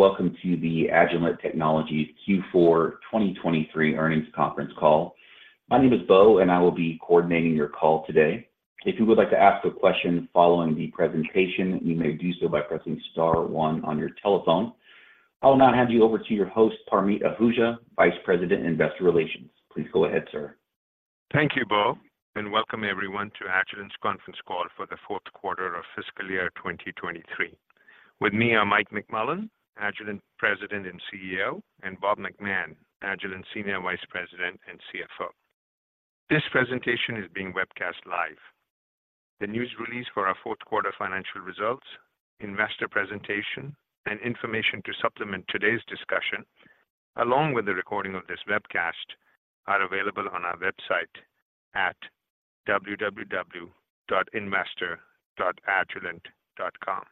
Welcome to the Agilent Technologies Q4 2023 earnings conference call. My name is Beau, and I will be coordinating your call today. If you would like to ask a question following the presentation, you may do so by pressing star one on your telephone. I will now hand you over to your host, Parmeet Ahuja, Vice President, Investor Relations. Please go ahead, sir. Thank you, Beau, and welcome everyone to Agilent's conference call for the fourth quarter of fiscal year 2023. With me are Mike McMullen, Agilent President and CEO, and Bob McMahon, Agilent Senior Vice President and CFO. This presentation is being webcast live. The news release for our fourth quarter financial results, investor presentation, and information to supplement today's discussion, along with the recording of this webcast, are available on our website at www.investor.agilent.com.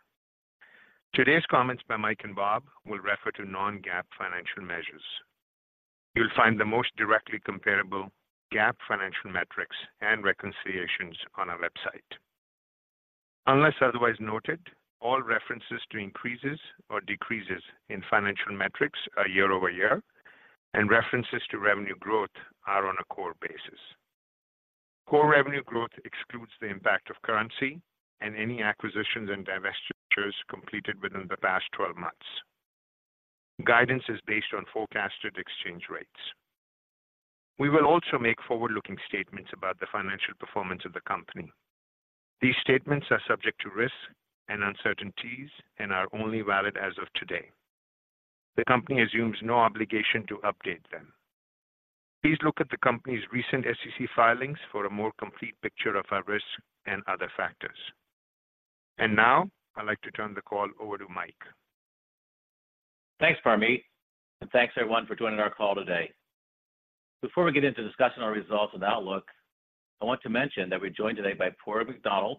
Today's comments by Mike and Bob will refer to non-GAAP financial measures. You'll find the most directly comparable GAAP financial metrics and reconciliations on our website. Unless otherwise noted, all references to increases or decreases in financial metrics are year-over-year, and references to revenue growth are on a core basis. Core revenue growth excludes the impact of currency and any acquisitions and divestitures completed within the past 12 months. Guidance is based on forecasted exchange rates. We will also make forward-looking statements about the financial performance of the company. These statements are subject to risks and uncertainties and are only valid as of today. The company assumes no obligation to update them. Please look at the company's recent SEC filings for a more complete picture of our risks and other factors. Now, I'd like to turn the call over to Mike. Thanks, Parmeet, and thanks everyone for joining our call today. Before we get into discussing our results and outlook, I want to mention that we're joined today by Padraig McDonnell,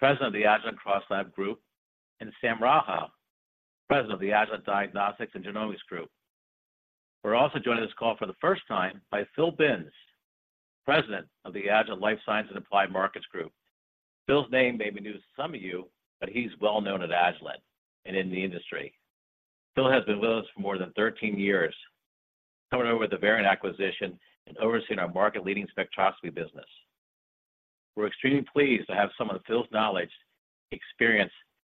President of the Agilent CrossLab Group, and Sam Raha, President of the Agilent Diagnostics and Genomics Group. We're also joined on this call for the first time by Phil Binns, President of the Agilent Life Sciences and Applied Markets Group. Phil's name may be new to some of you, but he's well known at Agilent and in the industry. Phil has been with us for more than 13 years, coming over with the Varian acquisition and overseeing our market-leading spectroscopy business. We're extremely pleased to have some of Phil's knowledge, experience,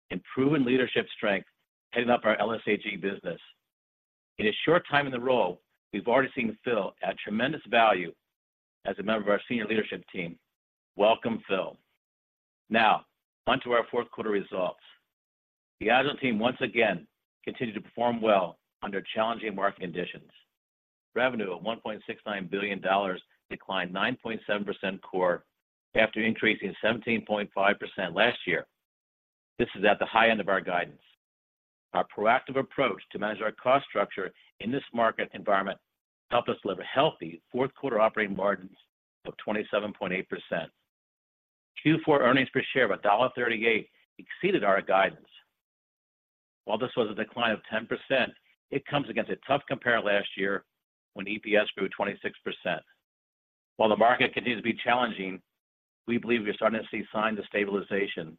and proven leadership strength heading up our LSAG business. In his short time in the role, we've already seen Phil add tremendous value as a member of our senior leadership team. Welcome, Phil. Now, on to our fourth quarter results. The Agilent team once again continued to perform well under challenging market conditions. Revenue of $1.69 billion declined 9.7% core after increasing 17.5% last year. This is at the high end of our guidance. Our proactive approach to manage our cost structure in this market environment helped us deliver healthy fourth quarter operating margins of 27.8%. Q4 earnings per share of $1.38 exceeded our guidance. While this was a decline of 10%, it comes against a tough compare last year when EPS grew 26%. While the market continues to be challenging, we believe we are starting to see signs of stabilization.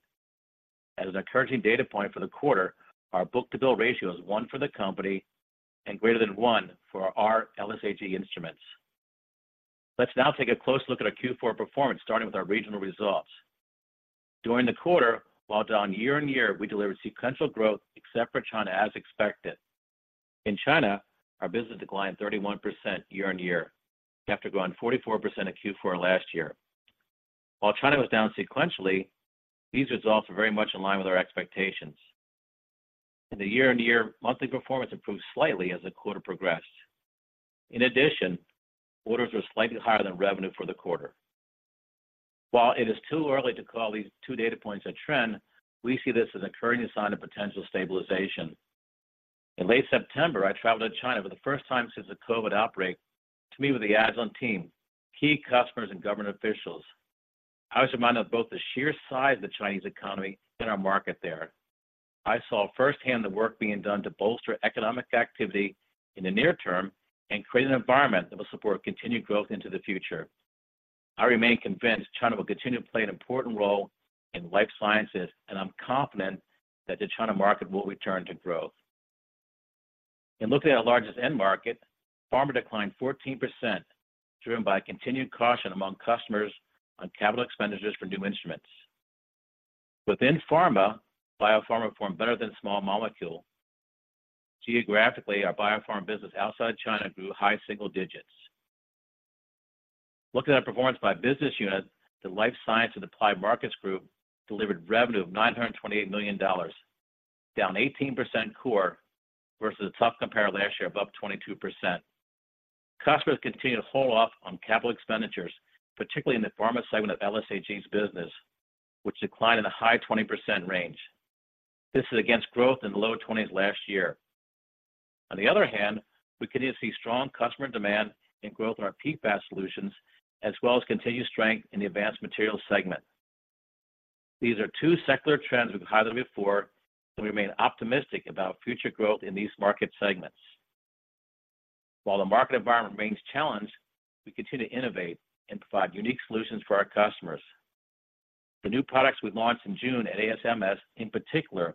As an encouraging data point for the quarter, our book-to-bill ratio is 1 for the company and greater than 1 for our LSAG instruments. Let's now take a close look at our Q4 performance, starting with our regional results. During the quarter, while down year-on-year, we delivered sequential growth except for China, as expected. In China, our business declined 31% year-on-year, after growing 44% in Q4 last year. While China was down sequentially, these results are very much in line with our expectations. In the year-on-year, monthly performance improved slightly as the quarter progressed. In addition, orders were slightly higher than revenue for the quarter. While it is too early to call these two data points a trend, we see this as encouraging sign of potential stabilization. In late September, I traveled to China for the first time since the COVID outbreak to meet with the Agilent team, key customers, and government officials. I was reminded of both the sheer size of the Chinese economy and our market there. I saw firsthand the work being done to bolster economic activity in the near term and create an environment that will support continued growth into the future. I remain convinced China will continue to play an important role in life sciences, and I'm confident that the China market will return to growth. In looking at our largest end market, pharma declined 14%, driven by continued caution among customers on capital expenditures for new instruments. Within pharma, biopharma performed better than small molecule. Geographically, our biopharma business outside China grew high single digits. Looking at performance by business unit, the Life Sciences and Applied Markets Group delivered revenue of $928 million, down 18% core versus a tough compare last year of up 22%. Customers continue to hold off on capital expenditures, particularly in the pharma segment of LSAG's business, which declined in the high 20% range. This is against growth in the low 20s last year. On the other hand, we continue to see strong customer demand and growth in our PFAS solutions, as well as continued strength in the advanced materials segment. These are two secular trends we've highlighted before, and we remain optimistic about future growth in these market segments. While the market environment remains challenged, we continue to innovate and provide unique solutions for our customers. The new products we launched in June at ASMS, in particular,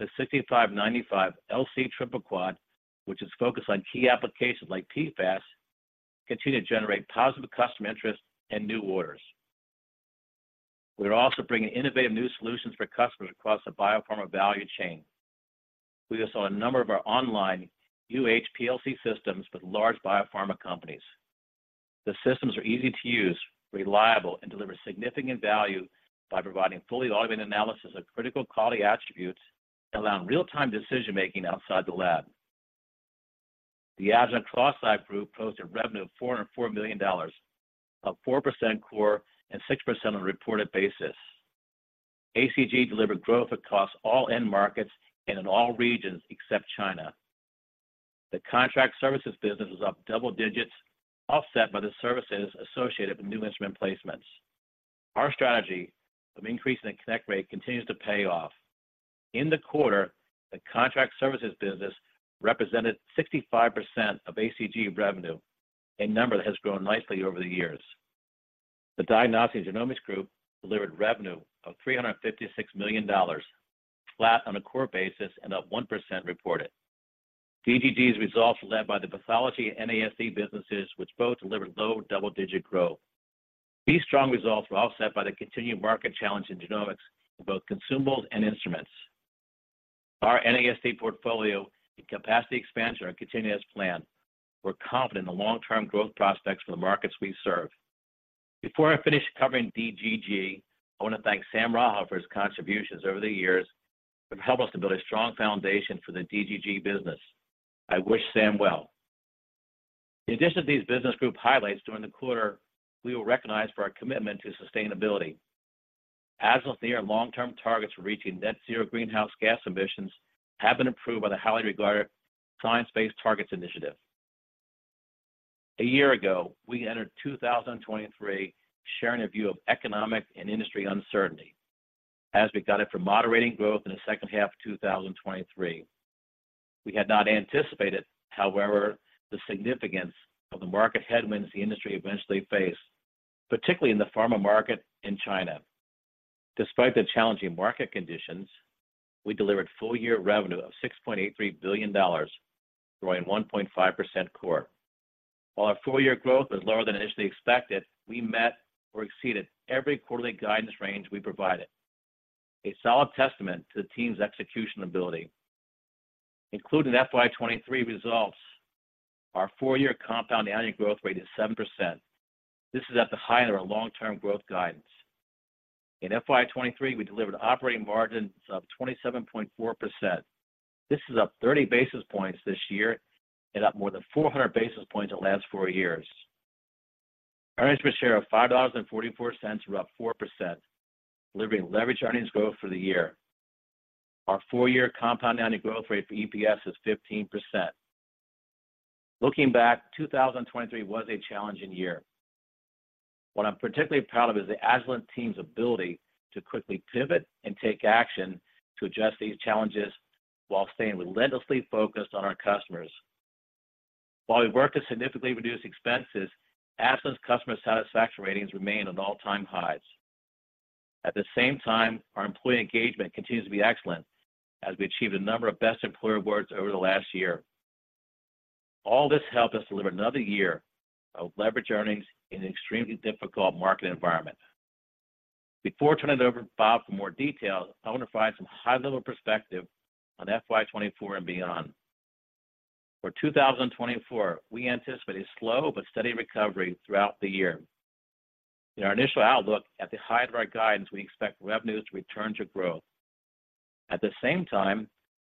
the 6495 LC Triple Quad, which is focused on key applications like PFAS, continue to generate positive customer interest and new orders. We are also bringing innovative new solutions for customers across the biopharma value chain. We just saw a number of our online UHPLC systems with large biopharma companies. The systems are easy to use, reliable, and deliver significant value by providing fully automated analysis of critical quality attributes and allowing real-time decision-making outside the lab. The Agilent CrossLab Group posted revenue of $404 million, up 4% core and 6% on a reported basis. ACG delivered growth across all end markets and in all regions except China. The contract services business was up double digits, offset by the services associated with new instrument placements. Our strategy of increasing the connect rate continues to pay off. In the quarter, the contract services business represented 65% of ACG revenue, a number that has grown nicely over the years. The Diagnostics and Genomics Group delivered revenue of $356 million, flat on a core basis and up 1% reported. DGG's results were led by the pathology and NASD businesses, which both delivered low double-digit growth. These strong results were offset by the continued market challenge in genomics, for both consumables and instruments. Our NASD portfolio and capacity expansion are continuing as planned. We're confident in the long-term growth prospects for the markets we serve. Before I finish covering DGG, I want to thank Sam Raha for his contributions over the years, which have helped us to build a strong foundation for the DGG business. I wish Sam well. In addition to these business group highlights during the quarter, we were recognized for our commitment to sustainability. Agilent's near long-term targets for reaching net zero greenhouse gas emissions have been approved by the highly regarded Science-Based Targets Initiative. A year ago, we entered 2023 sharing a view of economic and industry uncertainty as we got it from moderating growth in the second half of 2023. We had not anticipated, however, the significance of the market headwinds the industry eventually faced, particularly in the pharma market in China. Despite the challenging market conditions, we delivered full-year revenue of $6.83 billion, growing 1.5% core. While our full-year growth was lower than initially expected, we met or exceeded every quarterly guidance range we provided, a solid testament to the team's execution ability. Including FY 2023 results, our 4-year compound annual growth rate is 7%. This is at the high end of our long-term growth guidance. In FY 2023, we delivered operating margins of 27.4%. This is up 30 basis points this year and up more than 400 basis points in the last 4 years. Earnings per share of $5.44 were up 4%, delivering leverage earnings growth for the year. Our 4-year compound annual growth rate for EPS is 15%. Looking back, 2023 was a challenging year. What I'm particularly proud of is the Agilent team's ability to quickly pivot and take action to address these challenges while staying relentlessly focused on our customers. While we worked to significantly reduce expenses, Agilent's customer satisfaction ratings remain at all-time highs. At the same time, our employee engagement continues to be excellent as we achieved a number of best employer awards over the last year. All this helped us deliver another year of leverage earnings in an extremely difficult market environment. Before turning it over to Bob for more details, I want to provide some high-level perspective on FY 2024 and beyond. For 2024, we anticipate a slow but steady recovery throughout the year. In our initial outlook, at the height of our guidance, we expect revenues to return to growth. At the same time,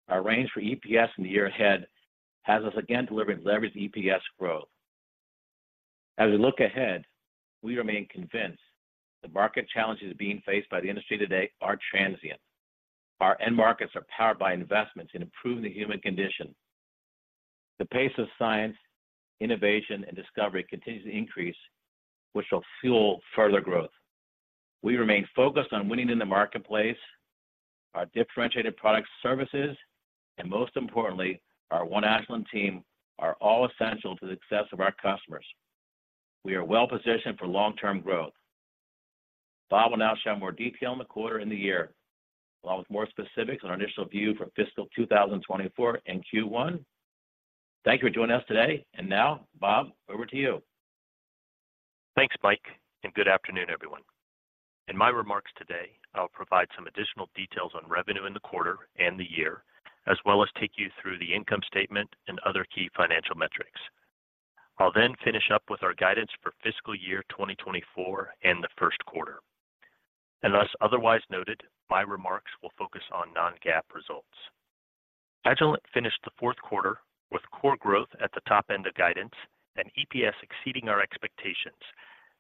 our range for EPS in the year ahead has us again delivering leverage EPS growth. As we look ahead, we remain convinced the market challenges being faced by the industry today are transient. Our end markets are powered by investments in improving the human condition. The pace of science, innovation, and discovery continues to increase, which will fuel further growth. We remain focused on winning in the marketplace. Our differentiated products and services, and most importantly, our One Agilent team, are all essential to the success of our customers. We are well positioned for long-term growth. Bob will now share more detail on the quarter and the year, along with more specifics on our initial view for fiscal 2024 and Q1. Thank you for joining us today, and now, Bob, over to you. Thanks, Mike, and good afternoon, everyone. In my remarks today, I'll provide some additional details on revenue in the quarter and the year, as well as take you through the income statement and other key financial metrics. I'll then finish up with our guidance for fiscal year 2024 and the first quarter. Unless otherwise noted, my remarks will focus on non-GAAP results. Agilent finished the fourth quarter with core growth at the top end of guidance and EPS exceeding our expectations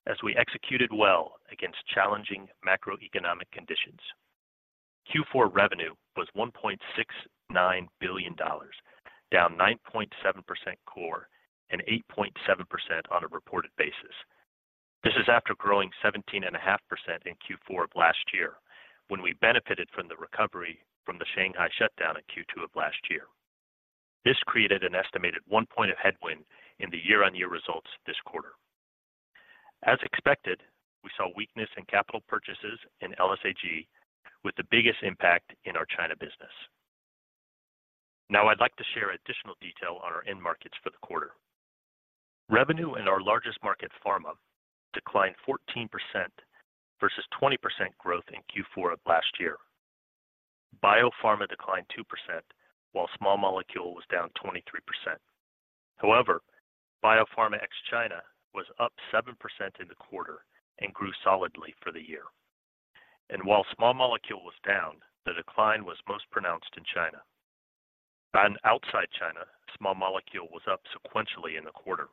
as we executed well against challenging macroeconomic conditions. Q4 revenue was $1.69 billion, down 9.7% core and 8.7% on a reported basis. This is after growing 17.5% in Q4 of last year, when we benefited from the recovery from the Shanghai shutdown in Q2 of last year. This created an estimated one point of headwind in the year-on-year results this quarter. As expected, we saw weakness in capital purchases in LSAG, with the biggest impact in our China business. Now, I'd like to share additional detail on our end markets for the quarter. Revenue in our largest market, pharma, declined 14% versus 20% growth in Q4 of last year. Biopharma declined 2%, while small molecule was down 23%. However, biopharma ex China was up 7% in the quarter and grew solidly for the year. And while small molecule was down, the decline was most pronounced in China. And outside China, small molecule was up sequentially in the quarter.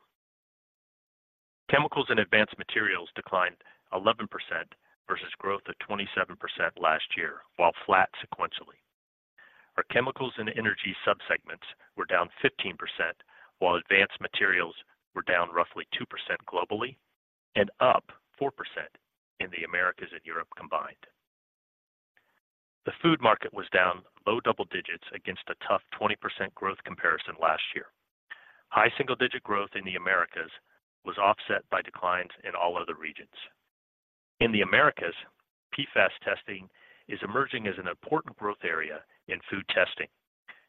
Chemicals and advanced materials declined 11% versus growth of 27% last year, while flat sequentially. Our chemicals and energy subsegments were down 15%, while advanced materials were down roughly 2% globally and up 4% in the Americas and Europe combined. The food market was down low double digits against a tough 20% growth comparison last year. High single-digit growth in the Americas was offset by declines in all other regions. In the Americas, PFAS testing is emerging as an important growth area in food testing,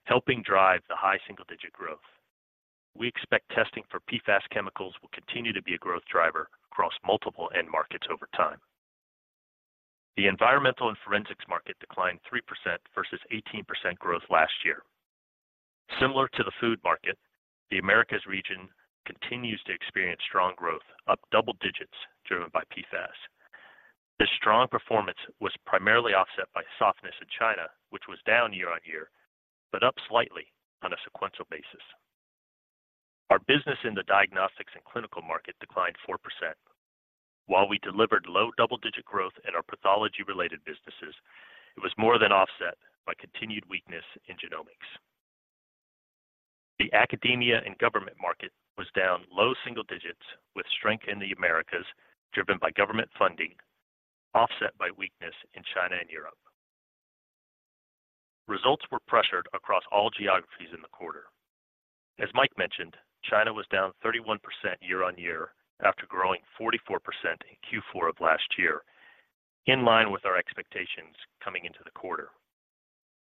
helping drive the high single-digit growth. We expect testing for PFAS chemicals will continue to be a growth driver across multiple end markets over time. The environmental and forensics market declined 3% vs. 18% growth last year. Similar to the food market, the Americas region continues to experience strong growth, up double digits, driven by PFAS. This strong performance was primarily offset by softness in China, which was down year-on-year, but up slightly on a sequential basis. Our business in the diagnostics and clinical market declined 4%. While we delivered low double-digit growth in our pathology-related businesses, it was more than offset by continued weakness in genomics. The academia and government market was down low single digits, with strength in the Americas driven by government funding, offset by weakness in China and Europe. Results were pressured across all geographies in the quarter. As Mike mentioned, China was down 31% year-on-year after growing 44% in Q4 of last year, in line with our expectations coming into the quarter.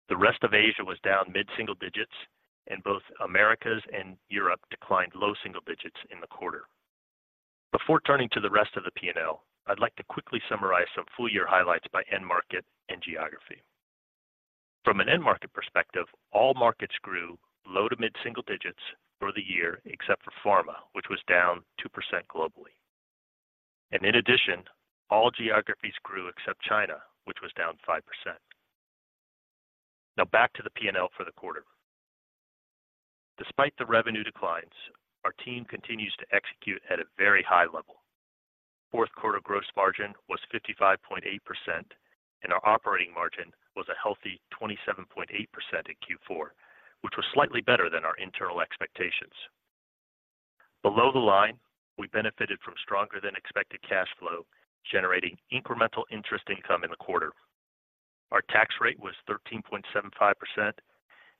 The rest of Asia was down mid-single digits, and both Americas and Europe declined low single digits in the quarter. Before turning to the rest of the P&L, I'd like to quickly summarize some full year highlights by end market and geography. From an end market perspective, all markets grew low to mid single digits for the year, except for pharma, which was down 2% globally. In addition, all geographies grew except China, which was down 5%. Now back to the P&L for the quarter. Despite the revenue declines, our team continues to execute at a very high level. Fourth quarter gross margin was 55.8%, and our operating margin was a healthy 27.8% in Q4, which was slightly better than our internal expectations. Below the line, we benefited from stronger than expected cash flow, generating incremental interest income in the quarter. Our tax rate was 13.75%,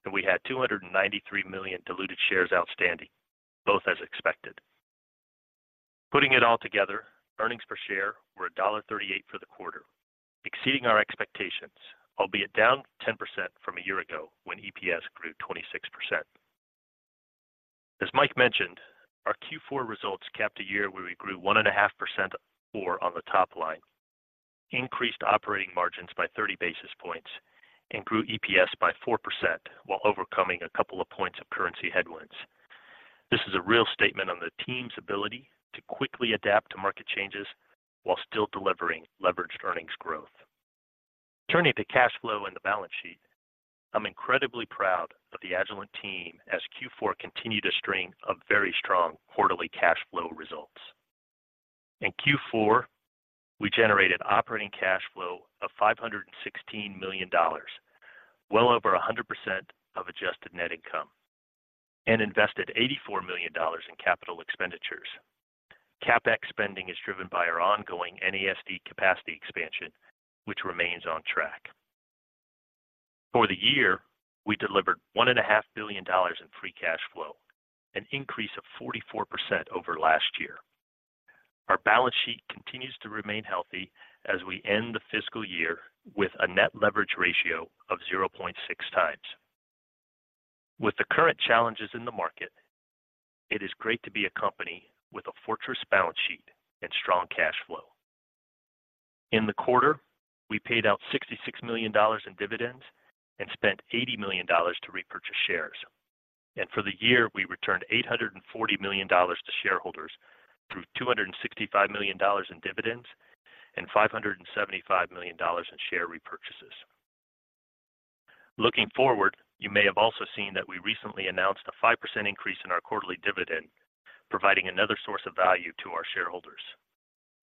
and we had 293 million diluted shares outstanding, both as expected. Putting it all together, earnings per share were $1.38 for the quarter, exceeding our expectations, albeit down 10% from a year ago when EPS grew 26%. As Mike mentioned, our Q4 results capped a year where we grew 1.5% or on the top line, increased operating margins by 30 basis points, and grew EPS by 4% while overcoming a couple of points of currency headwinds. This is a real statement on the team's ability to quickly adapt to market changes while still delivering leveraged earnings growth. Turning to cash flow and the balance sheet, I'm incredibly proud of the Agilent team as Q4 continued a string of very strong quarterly cash flow results. In Q4, we generated operating cash flow of $516 million, well over 100% of adjusted net income, and invested $84 million in capital expenditures. CapEx spending is driven by our ongoing NASD capacity expansion, which remains on track. For the year, we delivered $1.5 billion in free cash flow, an increase of 44% over last year. Our balance sheet continues to remain healthy as we end the fiscal year with a net leverage ratio of 0.6x. With the current challenges in the market, it is great to be a company with a fortress balance sheet and strong cash flow. In the quarter, we paid out $66 million in dividends and spent $80 million to repurchase shares. For the year, we returned $840 million to shareholders through $265 million in dividends and $575 million in share repurchases. Looking forward, you may have also seen that we recently announced a 5% increase in our quarterly dividend, providing another source of value to our shareholders.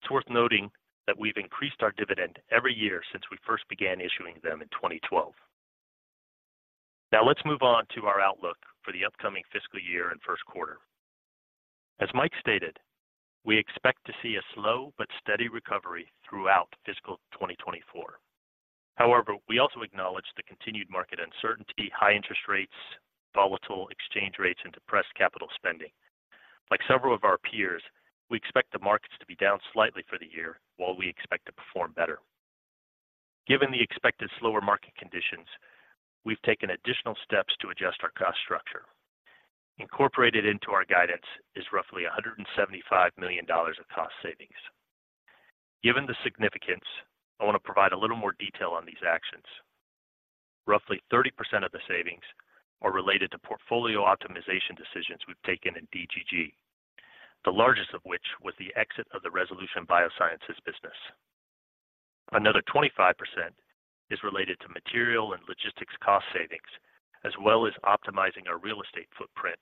It's worth noting that we've increased our dividend every year since we first began issuing them in 2012. Now let's move on to our outlook for the upcoming fiscal year and first quarter. As Mike stated, we expect to see a slow but steady recovery throughout fiscal 2024. However, we also acknowledge the continued market uncertainty, high interest rates, volatile exchange rates, and depressed capital spending. Like several of our peers, we expect the markets to be down slightly for the year, while we expect to perform better. Given the expected slower market conditions, we've taken additional steps to adjust our cost structure. Incorporated into our guidance is roughly $175 million of cost savings. Given the significance, I want to provide a little more detail on these actions. Roughly 30% of the savings are related to portfolio optimization decisions we've taken in DGG, the largest of which was the exit of the Resolution Bioscience business. Another 25% is related to material and logistics cost savings, as well as optimizing our real estate footprint,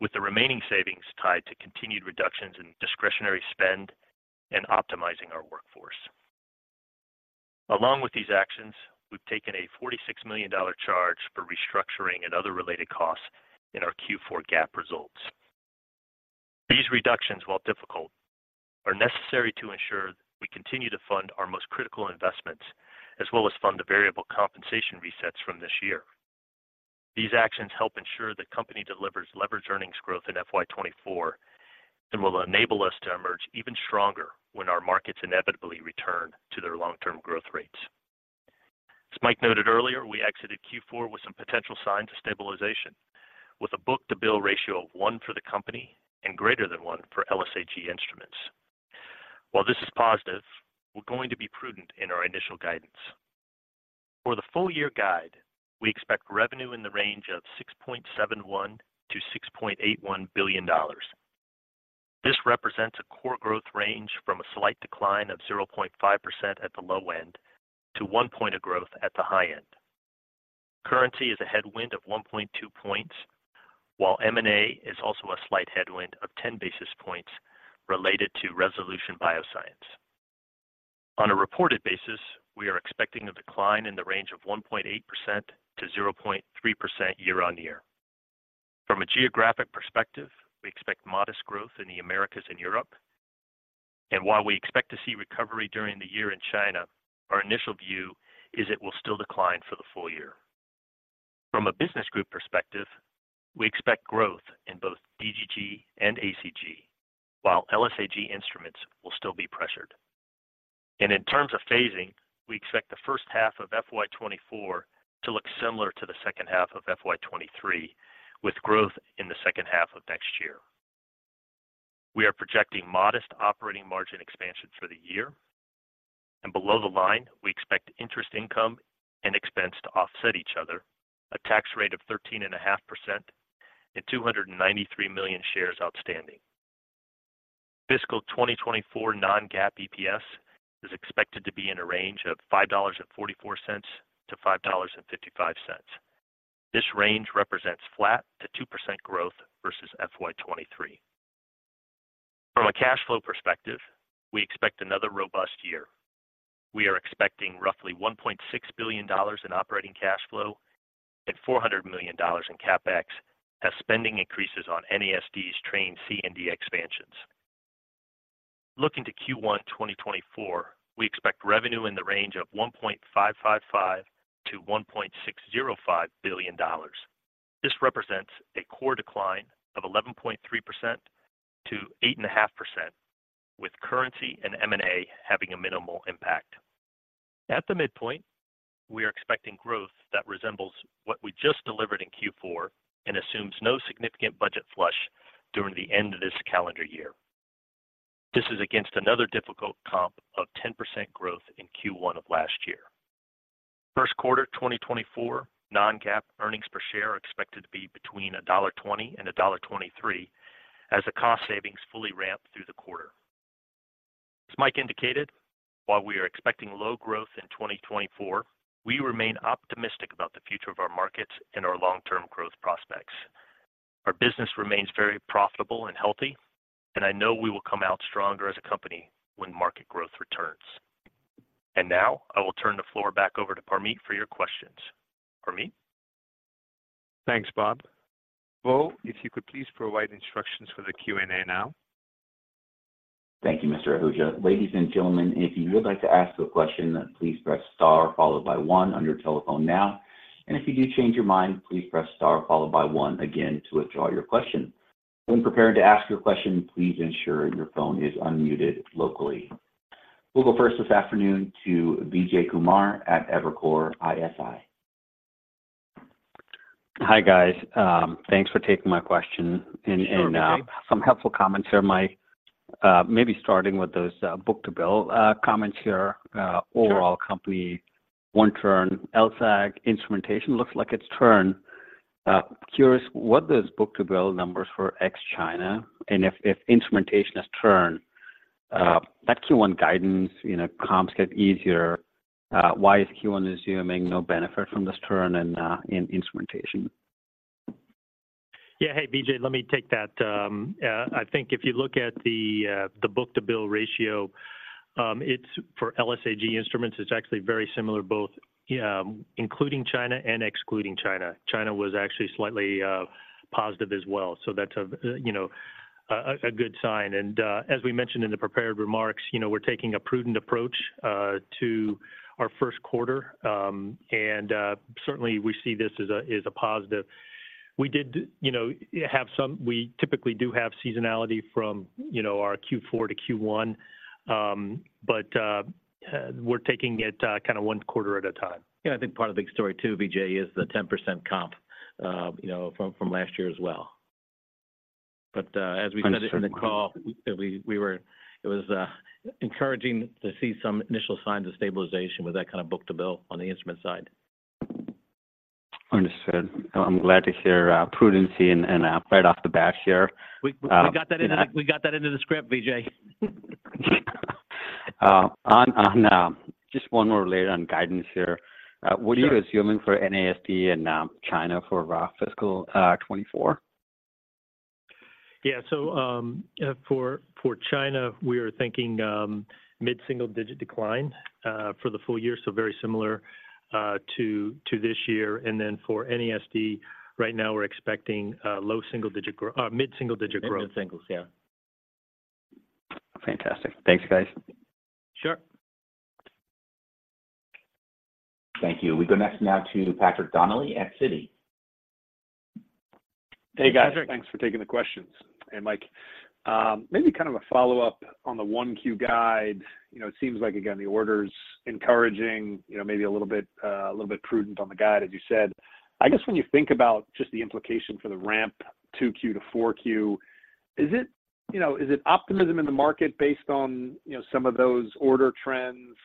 with the remaining savings tied to continued reductions in discretionary spend and optimizing our workforce. Along with these actions, we've taken a $46 million charge for restructuring and other related costs in our Q4 GAAP results. These reductions, while difficult, are necessary to ensure we continue to fund our most critical investments, as well as fund the variable compensation resets from this year. These actions help ensure the company delivers leverage earnings growth in FY 2024 and will enable us to emerge even stronger when our markets inevitably return to their long-term growth rates. As Mike noted earlier, we exited Q4 with some potential signs of stabilization, with a book-to-bill ratio of 1 for the company and greater than 1 for LSAG instruments. While this is positive, we're going to be prudent in our initial guidance. For the full year guide, we expect revenue in the range of $6.71 billion-$6.81 billion. This represents a core growth range from a slight decline of 0.5% at the low end to 1% growth at the high end. Currency is a headwind of 1.2 points, while M&A is also a slight headwind of 10 basis points related to Resolution Bioscience. On a reported basis, we are expecting a decline in the range of 1.8%-0.3% year-on-year. From a geographic perspective, we expect modest growth in the Americas and Europe. And while we expect to see recovery during the year in China, our initial view is it will still decline for the full year. From a business group perspective, we expect growth in both DGG and ACG, while LSAG instruments will still be pressured. In terms of phasing, we expect the first half of FY 2024 to look similar to the second half of FY 2023, with growth in the second half of next year. We are projecting modest operating margin expansion for the year, and below the line, we expect interest income and expense to offset each other, a tax rate of 13.5%, and 293 million shares outstanding. Fiscal 2024 non-GAAP EPS is expected to be in a range of $5.44-$5.55. This range represents flat to 2% growth versus FY 2023. From a cash flow perspective, we expect another robust year. We are expecting roughly $1.6 billion in operating cash flow and $400 million in CapEx as spending increases on NASD's train C and D expansions. Looking to Q1 2024, we expect revenue in the range of $1.555 billion-$1.605 billion. This represents a core decline of 11.3%-8.5%, with currency and M&A having a minimal impact. At the midpoint, we are expecting growth that resembles what we just delivered in Q4 and assumes no significant budget flush during the end of this calendar year. This is against another difficult comp of 10% growth in Q1 of last year. First quarter, 2024, non-GAAP earnings per share are expected to be between $1.20 and $1.23, as the cost savings fully ramp through the quarter. As Mike indicated, while we are expecting low growth in 2024, we remain optimistic about the future of our markets and our long-term growth prospects. Our business remains very profitable and healthy, and I know we will come out stronger as a company when market growth returns. Now, I will turn the floor back over to Parmeet for your questions. Parmeet? Thanks, Bob. Well, if you could please provide instructions for the Q&A now. Thank you, Mr. Ahuja. Ladies and gentlemen, if you would like to ask a question, please press star followed by one on your telephone now. And if you do change your mind, please press star followed by one again to withdraw your question. When preparing to ask your question, please ensure your phone is unmuted locally. We'll go first this afternoon to Vijay Kumar at Evercore ISI. Hi, guys. Thanks for taking my question. Sure, Vijay. Some helpful comments here, Mike. Maybe starting with those book-to-bill comments here. Sure. Overall company, one turn, LSAG instrumentation looks like it's turned. Curious, what does book-to-bill look like ex-China, and if instrumentation has turned, that Q1 guidance, you know, comps get easier. Why is Q1 assuming no benefit from this turn in instrumentation? Yeah. Hey, Vijay, let me take that. I think if you look at the book-to-bill ratio, it's for LSAG instruments, it's actually very similar, both, yeah, including China and excluding China. China was actually slightly positive as well, so that's a you know a good sign. And as we mentioned in the prepared remarks, you know, we're taking a prudent approach to our first quarter. And certainly, we see this as a positive. We did, you know, have some. We typically do have seasonality from, you know, our Q4 to Q1. But we're taking it kind of one quarter at a time. Yeah, I think part of the big story too, Vijay, is the 10% comp, you know, from last year as well. But, as we said it in the call, it was encouraging to see some initial signs of stabilization with that kind of book-to-bill on the instrument side. Understood. I'm glad to hear prudence and right off the bat here. We got that into the script, Vijay. On just one more layer on guidance here. Sure. What are you assuming for NASD and China for fiscal 2024? Yeah. So, for China, we are thinking mid-single digit decline for the full year, so very similar to this year. And then for NASD, right now, we're expecting mid-single digit growth. Mid-singles. Yeah. Fantastic. Thanks, guys. Sure. Thank you. We go next now to Patrick Donnelly at Citi. Hey, guys. Patrick. Thanks for taking the questions. And, Mike, maybe kind of a follow-up on the 1Q guide. You know, it seems like, again, the order's encouraging, you know, maybe a little bit, a little bit prudent on the guide, as you said. I guess when you think about just the implication for the ramp 2Q to 4Q, is it, you know, is it optimism in the market based on, you know, some of those order trends?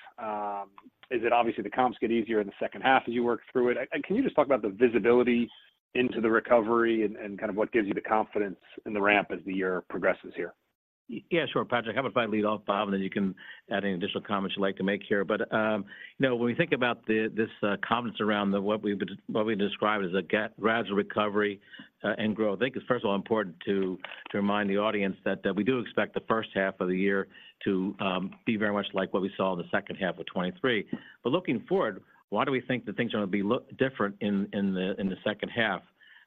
Is it obviously the comps get easier in the second half as you work through it? Can you just talk about the visibility into the recovery and, and kind of what gives you the confidence in the ramp as the year progresses here? Yeah, sure, Patrick. How about if I lead off, Bob, and then you can add any additional comments you'd like to make here. But you know, when we think about the comments around what we've described as a gradual recovery and growth, I think it's first of all important to remind the audience that we do expect the first half of the year to be very much like what we saw in the second half of 2023. But looking forward, why do we think that things are going to be look different in the second half?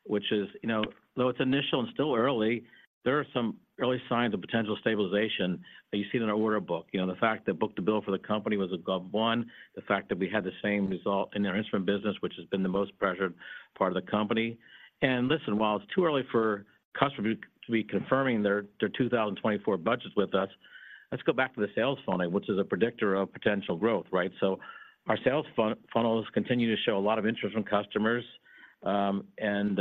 Which is, you know, though it's initial and still early, there are some early signs of potential stabilization that you see in our order book. You know, the fact that book-to-bill for the company was above 1, the fact that we had the same result in our instrument business, which has been the most pressured part of the company. And listen, while it's too early for customers to be confirming their 2024 budgets with us, let's go back to the sales funnel, which is a predictor of potential growth, right? So our sales funnels continue to show a lot of interest from customers. And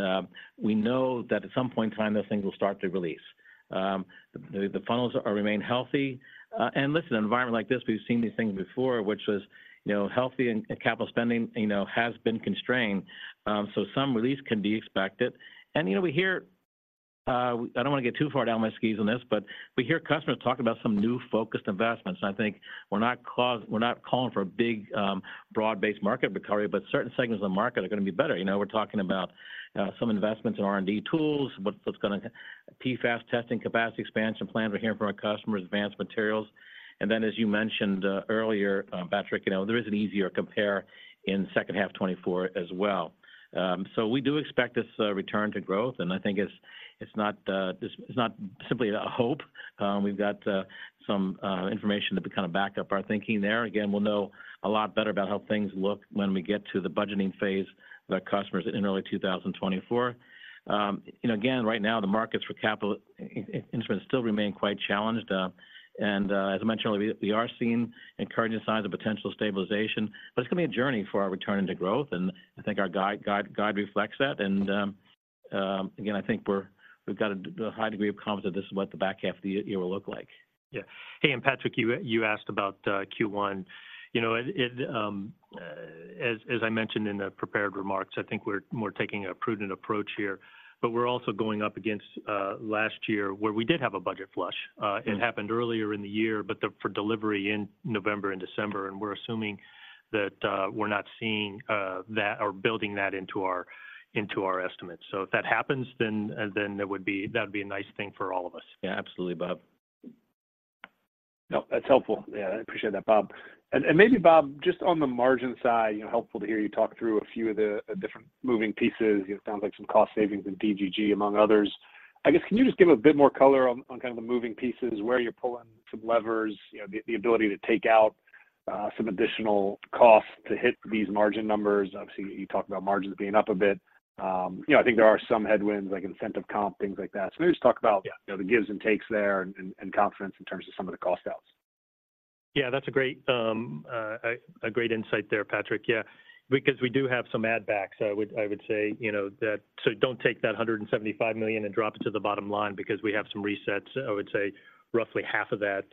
we know that at some point in time, those things will start to release. The funnels remain healthy. And listen, an environment like this, we've seen these things before, which was, you know, healthy and capital spending, you know, has been constrained, so some release can be expected. You know, we hear, I don't want to get too far down my skis on this, but we hear customers talk about some new focused investments. And I think we're not—we're not calling for a big, broad-based market recovery, but certain segments of the market are going to be better. You know, we're talking about some investments in R&D tools, but what's going to—PFAS testing capacity expansion plans we're hearing from our customers, advanced materials. And then, as you mentioned, earlier, Patrick, you know, there is an easier compare in second half 2024 as well. So we do expect this return to growth, and I think it's—it's not simply a hope. We've got some information to kind of back up our thinking there. Again, we'll know a lot better about how things look when we get to the budgeting phase of our customers in early 2024. You know, again, right now, the markets for capital instruments still remain quite challenged. And, as I mentioned earlier, we are seeing encouraging signs of potential stabilization, but it's going to be a journey for our return into growth, and I think our guide reflects that. And, again, I think we've got a high degree of confidence that this is what the back half of the year will look like. Yeah. Hey, and Patrick, you asked about Q1. You know, it, as I mentioned in the prepared remarks, I think we're taking a prudent approach here, but we're also going up against last year, where we did have a budget flush. Mm-hmm. It happened earlier in the year, but for delivery in November and December, and we're assuming that we're not seeing that or building that into our estimates. So if that happens, then that would be a nice thing for all of us. Yeah, absolutely, Bob. No, that's helpful. Yeah, I appreciate that, Bob. And maybe, Bob, just on the margin side, you know, helpful to hear you talk through a few of the different moving pieces. It sounds like some cost savings in DGG, among others. I guess, can you just give a bit more color on kind of the moving pieces, where you're pulling some levers, you know, the ability to take out some additional costs to hit these margin numbers? Obviously, you talked about margins being up a bit. You know, I think there are some headwinds, like incentive comp, things like that. So maybe just talk about- Yeah ou know, the gives and takes there and confidence in terms of some of the cost outs. Yeah, that's a great insight there, Patrick. Yeah. Because we do have some add backs. I would say, you know, that so don't take that $175 million and drop it to the bottom line because we have some resets. I would say roughly half of that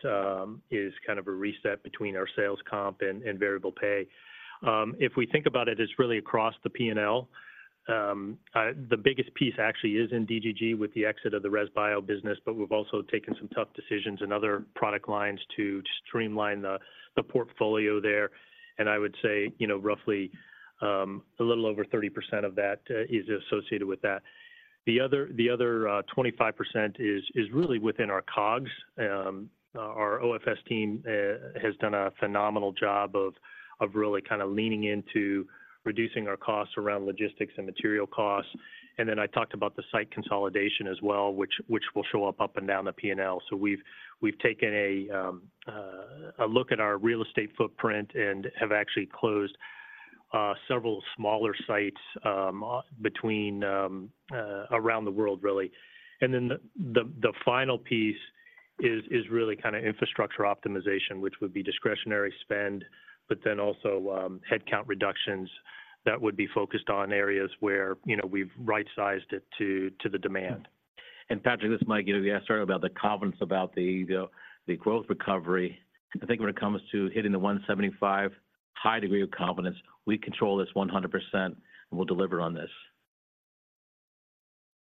is kind of a reset between our sales comp and variable pay. If we think about it, it's really across the P&L. The biggest piece actually is in DGG, with the exit of the ResBio business, but we've also taken some tough decisions in other product lines to streamline the portfolio there. And I would say, you know, roughly a little over 30% of that is associated with that. The other twenty-five percent is really within our COGS. Our OFS team has done a phenomenal job of really kind of leaning into reducing our costs around logistics and material costs. And then I talked about the site consolidation as well, which will show up up and down the P&L. So we've taken a look at our real estate footprint and have actually closed several smaller sites between around the world, really. And then the final piece is really kind of infrastructure optimization, which would be discretionary spend, but then also headcount reductions that would be focused on areas where, you know, we've right-sized it to the demand. Patrick, this is Mike. You know, we asked earlier about the confidence about the growth recovery. I think when it comes to hitting the 175 high degree of confidence, we control this 100%, and we'll deliver on this.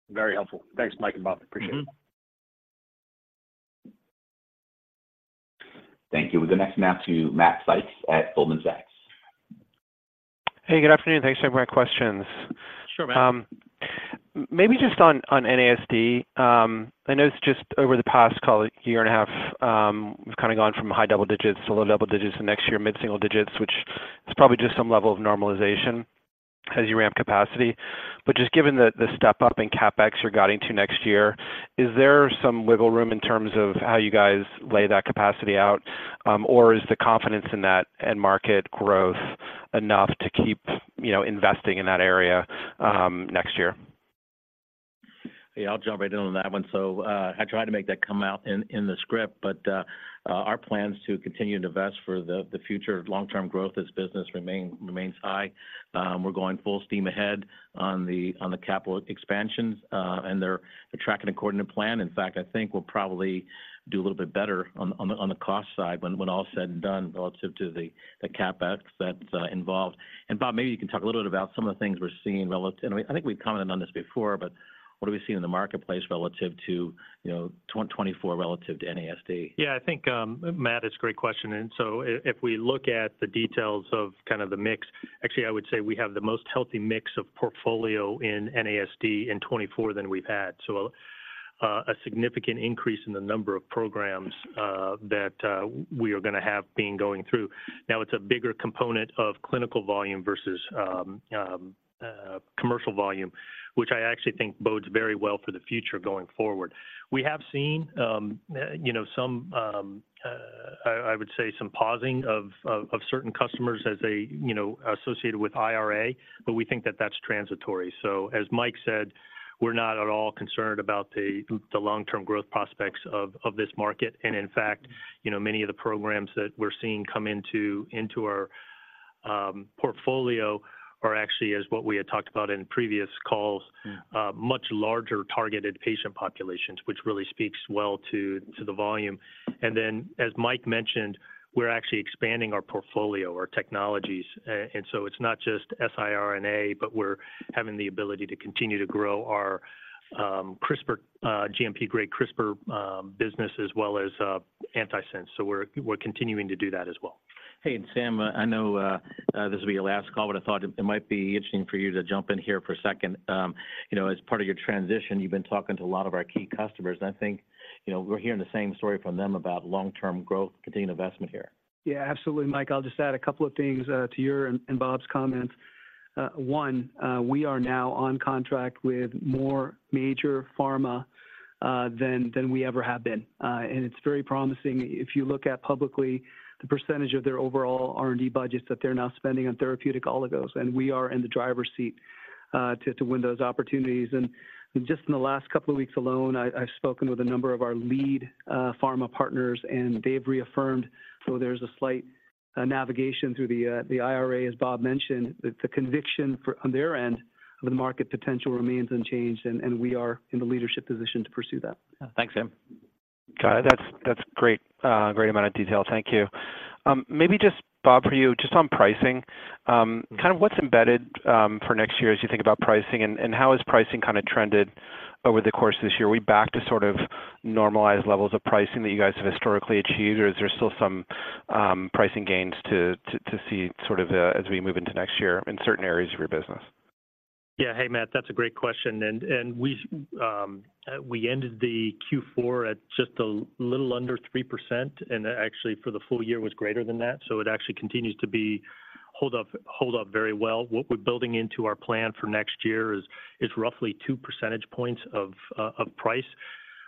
Very helpful. Thanks, Mike and Bob. Appreciate it. Mm-hmm. Thank you. We go next now to Matt Sykes at Goldman Sachs. Hey, good afternoon. Thanks for taking my questions. Sure, Matt. Maybe just on NASD. I know it's just over the past, call it year and a half, we've kind of gone from high double digits to low double digits, and next year, mid-single digits, which is probably just some level of normalization as you ramp capacity. But just given the step-up in CapEx you're guiding to next year, is there some wiggle room in terms of how you guys lay that capacity out? Or is the confidence in that end market growth enough to keep, you know, investing in that area, next year? Yeah, I'll jump right in on that one. So, I tried to make that come out in the script, but our plans to continue to invest for the future long-term growth of this business remain high. We're going full steam ahead on the capital expansions, and they're tracking according to plan. In fact, I think we'll probably do a little bit better on the cost side when all is said and done, relative to the CapEx that's involved. Bob, maybe you can talk a little bit about some of the things we're seeing relative and I think we've commented on this before, but what are we seeing in the marketplace relative to, you know, 2024 relative to NASD? Yeah, I think, Matt, it's a great question. And so if we look at the details of kind of the mix. Actually, I would say we have the most healthy mix of portfolio in NASD in 2024 than we've had. So, a significant increase in the number of programs that we are gonna have been going through. Now, it's a bigger component of clinical volume versus commercial volume, which I actually think bodes very well for the future going forward. We have seen, you know, some, I would say some pausing of certain customers as they, you know, associated with IRA, but we think that that's transitory. So as Mike said, we're not at all concerned about the long-term growth prospects of this market. In fact, you know, many of the programs that we're seeing come into our portfolio are actually, as what we had talked about in previous calls- Mm Much larger targeted patient populations, which really speaks well to the volume. And then, as Mike mentioned, we're actually expanding our portfolio, our technologies. And so it's not just siRNA, but we're having the ability to continue to grow our CRISPR, GMP-grade CRISPR, business, as well as antisense. So we're continuing to do that as well. Hey, Sam, I know this will be your last call, but I thought it might be interesting for you to jump in here for a second. You know, as part of your transition, you've been talking to a lot of our key customers, and I think, you know, we're hearing the same story from them about long-term growth, continued investment here. Yeah, absolutely, Mike. I'll just add a couple of things to your and Bob's comments. One, we are now on contract with more major pharma than we ever have been. And it's very promising. If you look at publicly, the percentage of their overall R&D budgets that they're now spending on therapeutic oligos, and we are in the driver's seat to win those opportunities. And just in the last couple of weeks alone, I've spoken with a number of our lead pharma partners, and they've reaffirmed, though there's a slight navigation through the IRA, as Bob mentioned, that the conviction for, on their end, of the market potential remains unchanged, and we are in the leadership position to pursue that. Yeah. Thanks, Sam. Got it. That's, that's great, great amount of detail. Thank you. Maybe just, Bob, for you, just on pricing, Mm ind of what's embedded for next year as you think about pricing, and how has pricing kind of trended over the course of this year? Are we back to sort of normalized levels of pricing that you guys have historically achieved, or is there still some pricing gains to see sort of as we move into next year in certain areas of your business? Yeah. Hey, Matt, that's a great question. We ended the Q4 at just a little under 3%, and actually for the full year was greater than that, so it actually continues to hold up very well. What we're building into our plan for next year is roughly two percentage points of price,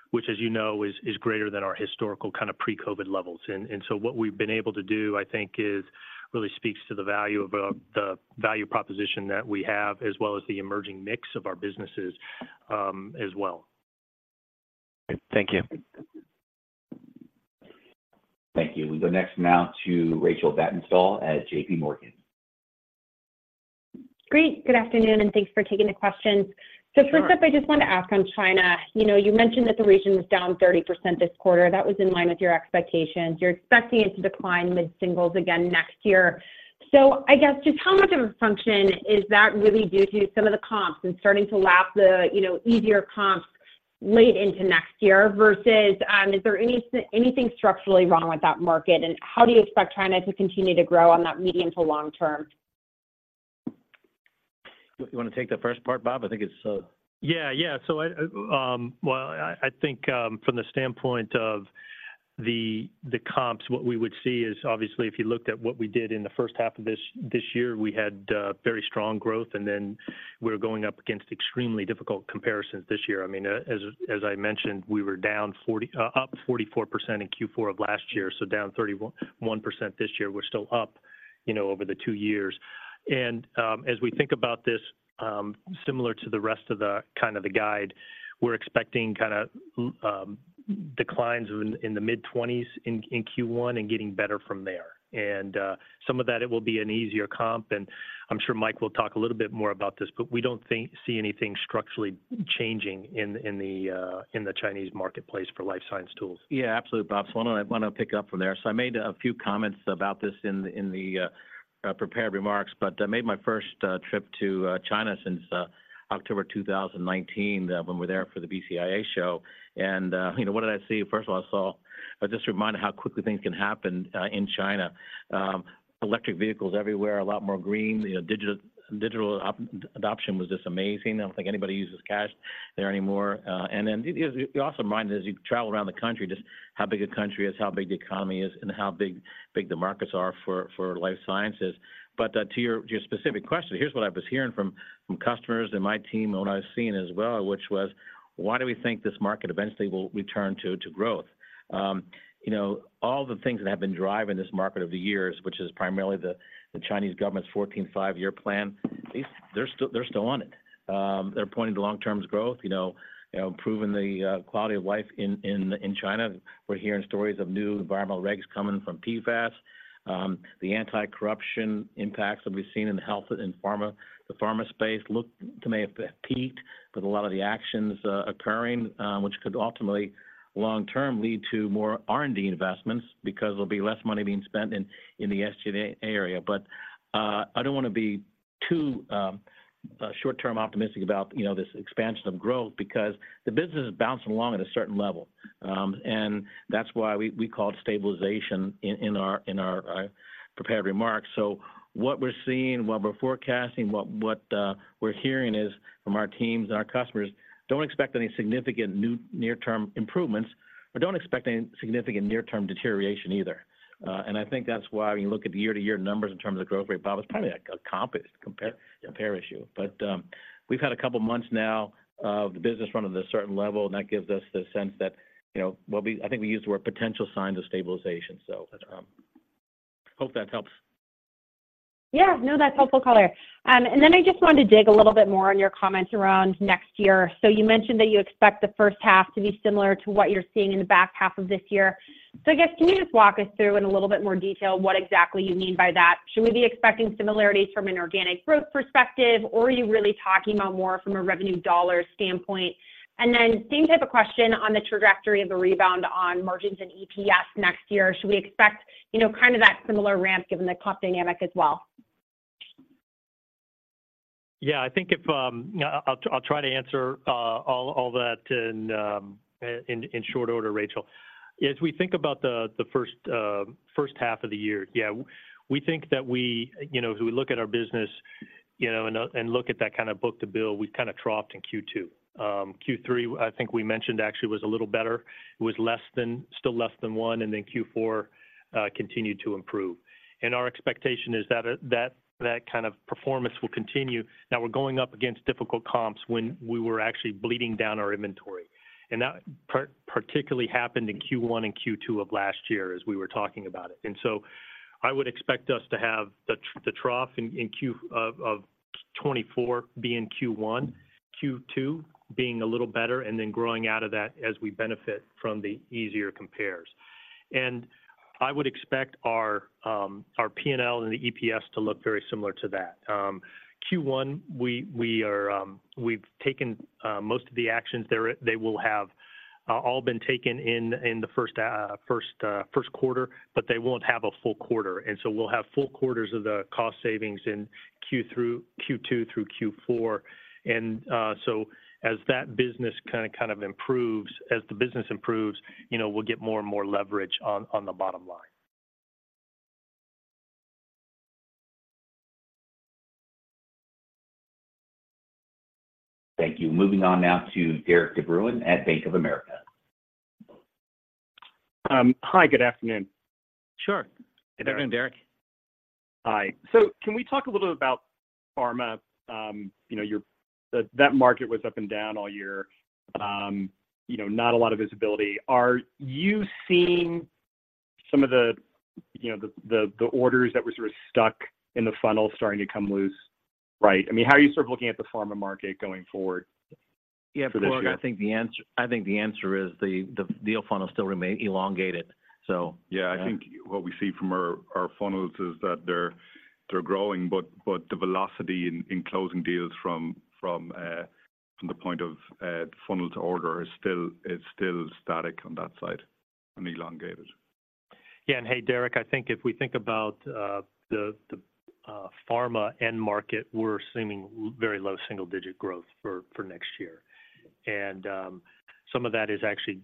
which, as you know, is greater than our historical kind of pre-COVID levels. So what we've been able to do, I think, is really speaks to the value of the value proposition that we have, as well as the emerging mix of our businesses, as well. Thank you. Thank you. We go next now to Rachel Vatnsdal at JPMorgan. Great. Good afternoon, and thanks for taking the questions. Sure. So first up, I just wanted to ask on China. You know, you mentioned that the region was down 30% this quarter. That was in line with your expectations. You're expecting it to decline mid-singles again next year. So I guess just how much of a function is that really due to some of the comps and starting to lap the, you know, easier comps?... late into next year, versus, is there any, anything structurally wrong with that market? And how do you expect China to continue to grow on that medium to long term? You want to take the first part, Bob? I think it's, Yeah, yeah. So I, well, I think, from the standpoint of the comps, what we would see is obviously, if you looked at what we did in the first half of this year, we had very strong growth, and then we're going up against extremely difficult comparisons this year. I mean, as I mentioned, we were up 44% in Q4 of last year, so down 31.1% this year. We're still up, you know, over the two years. And, as we think about this, similar to the rest of the kind of the guide, we're expecting kind of declines in the mid-20s% in Q1 and getting better from there. Some of that, it will be an easier comp, and I'm sure Mike will talk a little bit more about this, but we don't think, see anything structurally changing in the Chinese marketplace for life science tools. Yeah, absolutely, Bob. So why don't I pick up from there? So I made a few comments about this in the prepared remarks, but I made my first trip to China since October 2019, when we were there for the BCEIA show. And, you know, what did I see? First of all, I saw a just reminder of how quickly things can happen in China. Electric vehicles everywhere, a lot more green. You know, digital adoption was just amazing. I don't think anybody uses cash there anymore. And then you, you're also reminded as you travel around the country, just how big a country it is, how big the economy is, and how big the markets are for life sciences. But, to your specific question, here's what I was hearing from customers and my team, and what I've seen as well, which was: Why do we think this market eventually will return to growth? You know, all the things that have been driving this market over the years, which is primarily the Chinese government's 14th Five-Year Plan, they're still on it. They're pointing to long-term growth, you know, improving the quality of life in China. We're hearing stories of new environmental regs coming from PFAS. The anti-corruption impacts that we've seen in the health and pharma, the pharma space look to may have peaked, with a lot of the actions occurring, which could ultimately, long term, lead to more R&D investments because there'll be less money being spent in the SG&A area. But, I don't want to be too short-term optimistic about, you know, this expansion of growth because the business is bouncing along at a certain level. And that's why we called stabilization in our prepared remarks. So what we're seeing, what we're forecasting, we're hearing is from our teams and our customers: don't expect any significant new near-term improvements, but don't expect any significant near-term deterioration either. And I think that's why when you look at the year-to-year numbers in terms of the growth rate, Bob, it's probably like a comps compare issue. But, we've had a couple of months now of the business running at a certain level, and that gives us the sense that, you know, we'll be... I think we used the word potential signs of stabilization. So, hope that helps. Yeah. No, that's helpful color. And then I just wanted to dig a little bit more on your comments around next year. So you mentioned that you expect the first half to be similar to what you're seeing in the back half of this year. So I guess, can you just walk us through in a little bit more detail what exactly you mean by that? Should we be expecting similarities from an organic growth perspective, or are you really talking about more from a revenue dollar standpoint? And then same type of question on the trajectory of the rebound on margins and EPS next year. Should we expect, you know, kind of that similar ramp, given the comp dynamic as well? Yeah, I think I'll try to answer all that in short order, Rachel. As we think about the first half of the year, yeah, we think that we—you know, if we look at our business, you know, and look at that kind of book-to-bill, we've kind of troughed in Q2. Q3, I think we mentioned, actually was a little better, was less than, still less than one, and then Q4 continued to improve. And our expectation is that that kind of performance will continue. Now, we're going up against difficult comps when we were actually bleeding down our inventory, and that particularly happened in Q1 and Q2 of last year as we were talking about it. I would expect us to have the trough in Q1 of 2024, Q2 being a little better, and then growing out of that as we benefit from the easier compares. I would expect our P&L and the EPS to look very similar to that. Q1, we are, we've taken most of the actions. They will have all been taken in the first quarter, but they won't have a full quarter. So we'll have full quarters of the cost savings in Q2 through Q4. So as that business kind of improves, as the business improves, you know, we'll get more and more leverage on the bottom line. Thank you. Moving on now to Derik De Bruin at Bank of America. Hi, good afternoon. Sure. Good afternoon, Derik. Hi. So can we talk a little bit about pharma? You know, your- that market was up and down all year. You know, not a lot of visibility. Are you seeing some of the, you know, the orders that were sort of stuck in the funnel starting to come loose, right? I mean, how are you sort of looking at the pharma market going forward for this year? Yeah, well, I think the answer, I think the answer is the, the deal funnel still remain elongated, so- Yeah, I think what we see from our funnels is that they're growing, but the velocity in closing deals from the point of funnel to order is still static on that side and elongated. Yeah, and hey, Derik, I think if we think about the pharma end market, we're assuming very low single-digit growth for next year. And, some of that is actually,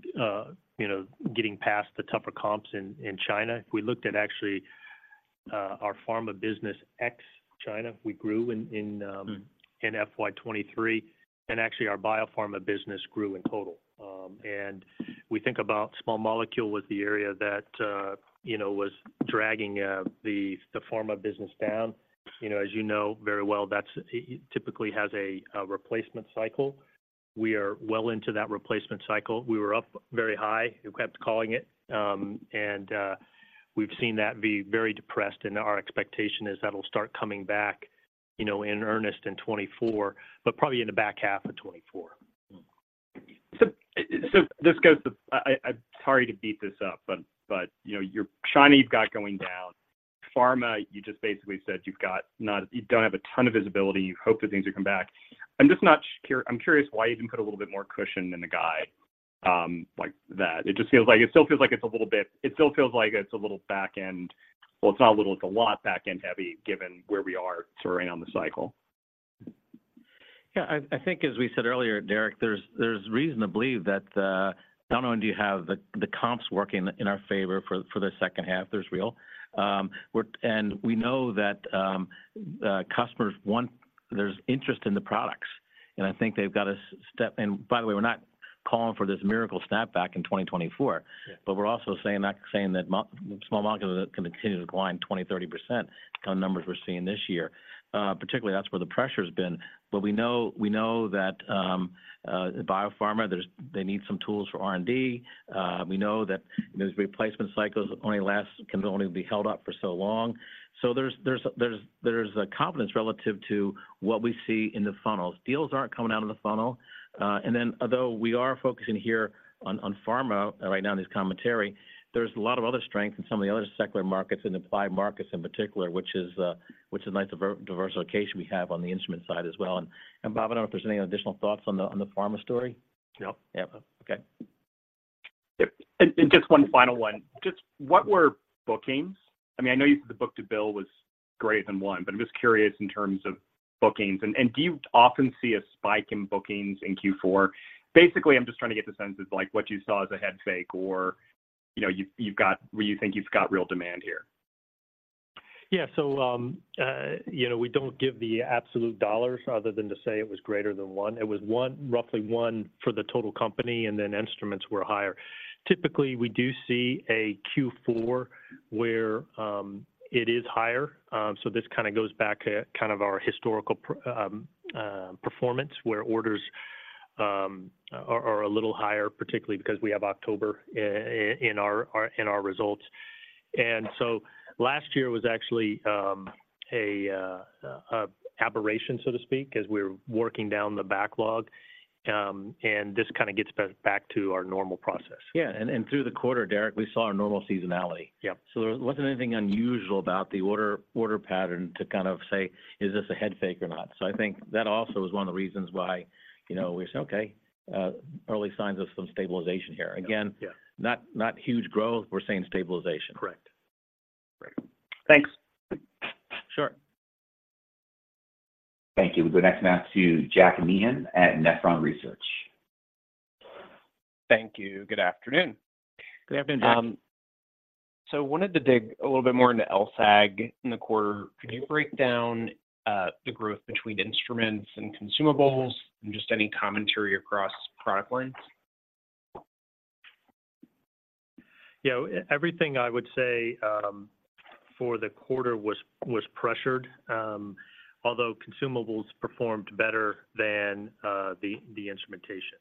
you know, getting past the tougher comps in, Mm-hmm In FY 2023, and actually, our biopharma business grew in total. And we think about small molecule was the area that, you know, was dragging the pharma business down. You know, as you know very well, that's, it, it typically has a replacement cycle. We are well into that replacement cycle. We were up very high. We kept calling it, and we've seen that be very depressed, and our expectation is that'll start coming back, you know, in earnest in 2024, but probably in the back half of 2024. So this goes to—I'm sorry to beat this up, but you know, your China you've got going down. Pharma, you just basically said you don't have a ton of visibility. You hope that things will come back. I'm just not sure. I'm curious why you didn't put a little bit more cushion in the guide, like that? It just feels like—it's still a little bit back end heavy. Well, it's not a little, it's a lot back end heavy, given where we are sort of on the cycle. Yeah, I think as we said earlier, Derik, there's reason to believe that not only do you have the comps working in our favor for the second half, there's real. And we know that customers want, there's interest in the products, and I think they've got a step... And by the way, we're not calling for this miracle snapback in 2024. Yeah. But we're also saying, not saying that small molecule can continue to decline 20, 30% kind of numbers we're seeing this year. Particularly, that's where the pressure's been. But we know, we know that, biopharma, there's they need some tools for R&D. We know that these replacement cycles only last, can only be held up for so long. So there's a confidence relative to what we see in the funnels. Deals aren't coming out of the funnel. And then although we are focusing here on pharma right now in this commentary, there's a lot of other strength in some of the other secular markets, in the applied markets in particular, which is a nice diversification we have on the instrument side as well. And, Bob, I don't know if there's any additional thoughts on the pharma story? No. Yeah. Okay. Yep. And just one final one. Just what were bookings? I mean, I know you said the book-to-bill was greater than one, but I'm just curious in terms of bookings. And do you often see a spike in bookings in Q4? Basically, I'm just trying to get the sense of like what you saw as a head fake or, you know, you've got where you think you've got real demand here. Yeah. So, you know, we don't give the absolute dollars other than to say it was greater than one. It was one, roughly one for the total company, and then instruments were higher. Typically, we do see a Q4 where it is higher. So this kind of goes back to kind of our historical performance, where orders are a little higher, particularly because we have October in our results. And so last year was actually a aberration, so to speak, as we're working down the backlog, and this kind of gets us back to our normal process. Yeah. And through the quarter, Derik, we saw our normal seasonality. Yeah. So there wasn't anything unusual about the order, order pattern to kind of say, "Is this a head fake or not?" So I think that also is one of the reasons why, you know, we said, "Okay, early signs of some stabilization here. Yeah. Again, not huge growth. We're saying stabilization. Correct. Correct. Thanks. Sure. Thank you. We'll go next now to Jack Meehan at Nephron Research. Thank you. Good afternoon. Good afternoon, Jack. So, wanted to dig a little bit more into LSAG in the quarter. Could you break down the growth between instruments and consumables and just any commentary across product lines? Yeah. Everything, I would say, for the quarter was pressured, although consumables performed better than the instrumentation.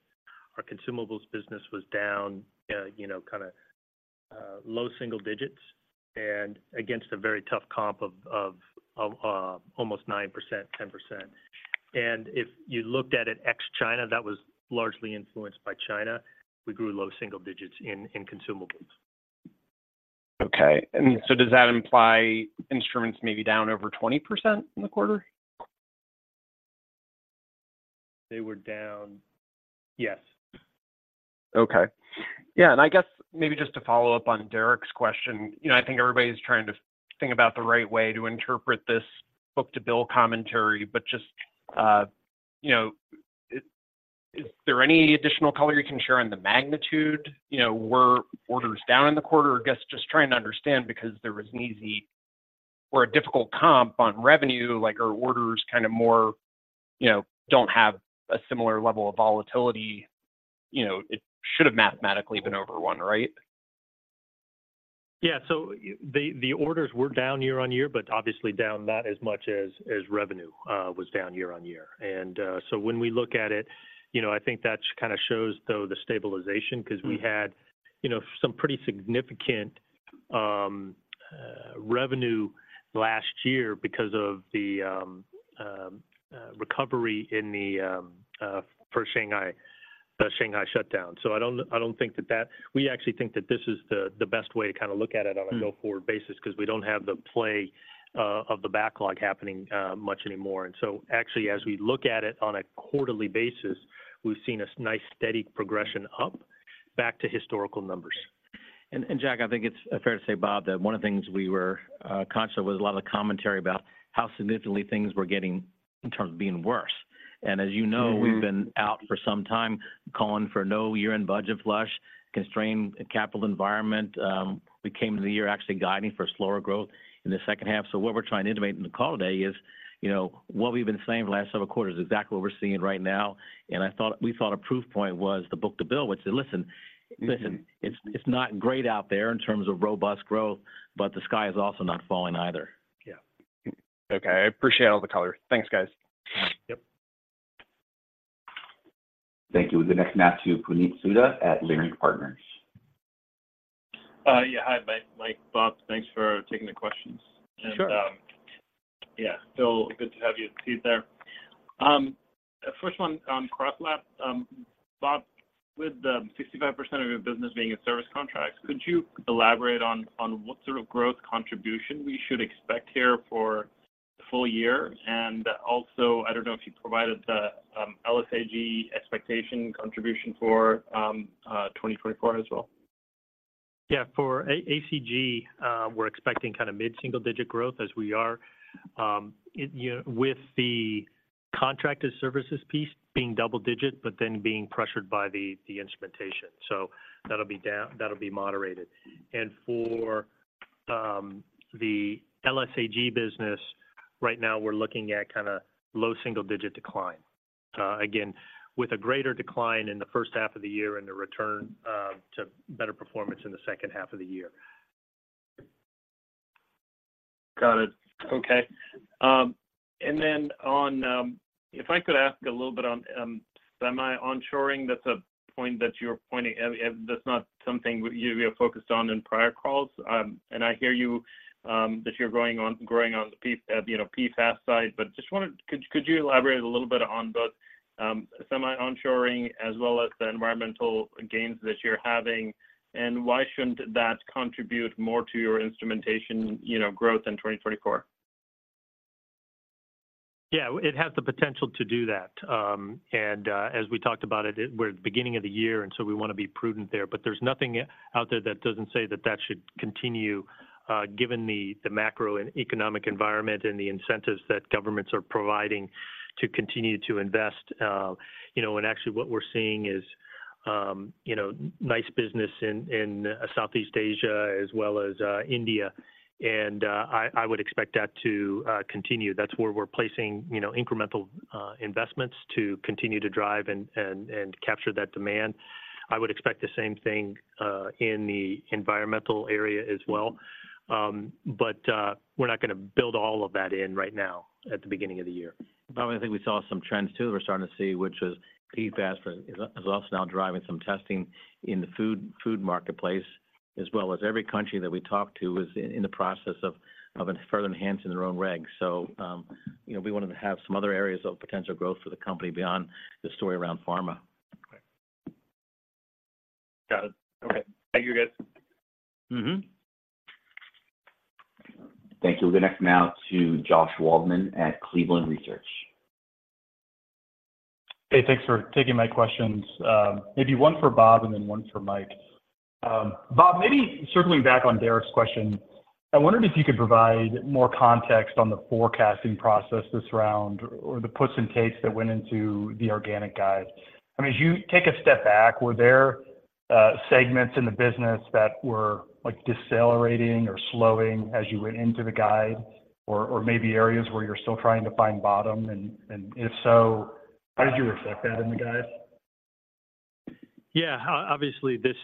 Our consumables business was down, you know, kind of, low single digits and against a very tough comp of almost 9%, 10%. And if you looked at it ex China, that was largely influenced by China. We grew low single digits in consumables. Okay. And so does that imply instruments may be down over 20% in the quarter? They were down. Yes. Okay. Yeah, and I guess maybe just to follow up on Derik's question, you know, I think everybody's trying to think about the right way to interpret this book-to-bill commentary, but just, you know, is there any additional color you can share on the magnitude? You know, were orders down in the quarter? I guess just trying to understand because there was an easy or a difficult comp on revenue, like are orders kind of more, you know, don't have a similar level of volatility. You know, it should have mathematically been over one, right? Yeah. So the orders were down year-on-year, but obviously down not as much as revenue was down year-on-year. So when we look at it, you know, I think that kind of shows, though, the stabilization- Mm-hmm Cause we had, you know, some pretty significant revenue last year because of the recovery in the for Shanghai, the Shanghai shutdown. So I don't think that we actually think that this is the best way to kind of look at it- Mm-hmm Wn a go-forward basis because we don't have the play, of the backlog happening, much anymore. And so actually, as we look at it on a quarterly basis, we've seen a nice, steady progression up back to historical numbers. And Jack, I think it's fair to say, Bob, that one of the things we were conscious of was a lot of the commentary about how significantly things were getting in terms of being worse. And as you know- Mm-hmm We've been out for some time calling for no year-end budget flush, constrained capital environment. We came into the year actually guiding for slower growth in the second half. So what we're trying to intimate in the call today is, you know, what we've been saying for the last several quarters, exactly what we're seeing right now. And I thought, we thought a proof point was the book-to-bill, which said, "Listen, listen, it's, it's not great out there in terms of robust growth, but the sky is also not falling either. Yeah. Okay. I appreciate all the color. Thanks, guys. Yep. Thank you. We'll go next now to Puneet Souda at Leerink Partners. Yeah, hi, Mike, Mike, Bob. Thanks for taking the questions. Sure. Yeah, so good to have you, Steve, there. First one on CrossLab. Bob, with the 65% of your business being in service contracts, could you elaborate on what sort of growth contribution we should expect here for the full year? And also, I don't know if you provided the LSAG expectation contribution for 2024 as well. Yeah. For ACG, we're expecting kind of mid-single-digit growth as we are. You know, with the contracted services piece being double-digit, but then being pressured by the instrumentation. So that'll be down. That'll be moderated. And for the LSAG business, right now, we're looking at kind of low single-digit decline. Again, with a greater decline in the first half of the year and a return to better performance in the second half of the year. Got it. Okay. And then on... If I could ask a little bit on, semi onshoring, that's a point that you're pointing at. That's not something you were focused on in prior calls. And I hear you, that you're growing on-- growing on the PF-- you know, PFAS side. But just wanted, could, could you elaborate a little bit on both, semi onshoring as well as the environmental gains that you're having, and why shouldn't that contribute more to your instrumentation, you know, growth in 2024? Yeah. It has the potential to do that. As we talked about it, we're at the beginning of the year, and so we wanna be prudent there. But there's nothing out there that doesn't say that that should continue, given the macro and economic environment and the incentives that governments are providing to continue to invest. You know, and actually, what we're seeing is nice business in Southeast Asia as well as India. And I would expect that to continue. That's where we're placing, you know, incremental investments to continue to drive and capture that demand. I would expect the same thing in the environmental area as well. But we're not gonna build all of that in right now at the beginning of the year. But I think we saw some trends, too, we're starting to see, which was PFAS, is also now driving some testing in the food marketplace, as well as every country that we talk to is in the process of further enhancing their own regs. So, you know, we wanted to have some other areas of potential growth for the company beyond the story around pharma. Right. Got it. Okay. Thank you, guys. Mm-hmm. Thank you. We'll go next now to Josh Waldman at Cleveland Research. Hey, thanks for taking my questions. Maybe one for Bob and then one for Mike. Bob, maybe circling back on Derik's question, I wondered if you could provide more context on the forecasting process this round or the puts and takes that went into the organic guide. I mean, as you take a step back, were there, segments in the business that were, like, decelerating or slowing as you went into the guide, or, or maybe areas where you're still trying to find bottom? And if so, how did you reflect that in the guide? Yeah, obviously, this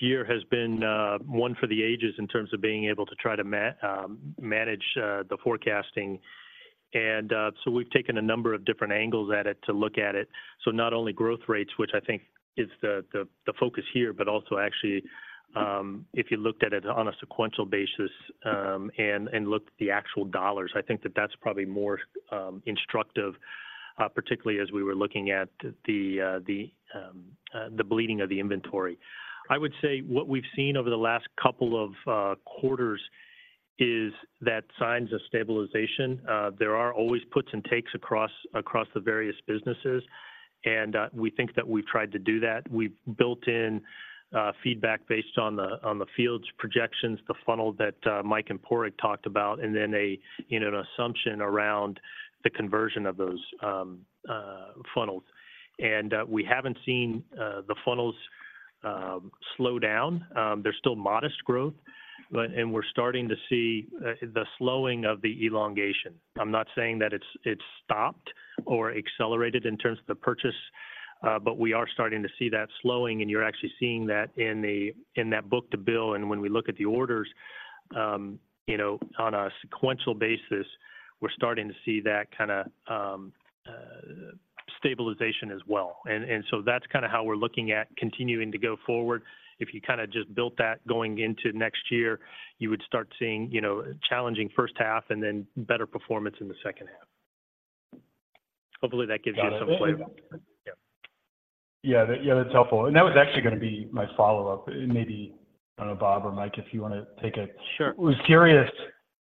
year has been one for the ages in terms of being able to try to manage the forecasting. So we've taken a number of different angles at it to look at it. So not only growth rates, which I think is the focus here, but also actually, if you looked at it on a sequential basis, and looked at the actual dollars, I think that that's probably more instructive, particularly as we were looking at the bleeding of the inventory. I would say what we've seen over the last couple of quarters is that signs of stabilization. There are always puts and takes across the various businesses, and we think that we've tried to do that. We've built in feedback based on the field's projections, the funnel that Mike and Padraig talked about, and then, you know, an assumption around the conversion of those funnels. And we haven't seen the funnels slow down. They're still modest growth, but and we're starting to see the slowing of the elongation. I'm not saying that it's stopped or accelerated in terms of the purchase, but we are starting to see that slowing, and you're actually seeing that in that book-to-bill. And when we look at the orders, you know, on a sequential basis, we're starting to see that kind of stabilization as well. And so that's kind of how we're looking at continuing to go forward. If you kind of just built that going into next year, you would start seeing, you know, a challenging first half and then better performance in the second half. Hopefully, that gives you some flavor. Got it. Yeah. Yeah, that, yeah, that's helpful. That was actually gonna be my follow-up. Maybe, Bob or Mike, if you wanna take a- Sure. Was curious-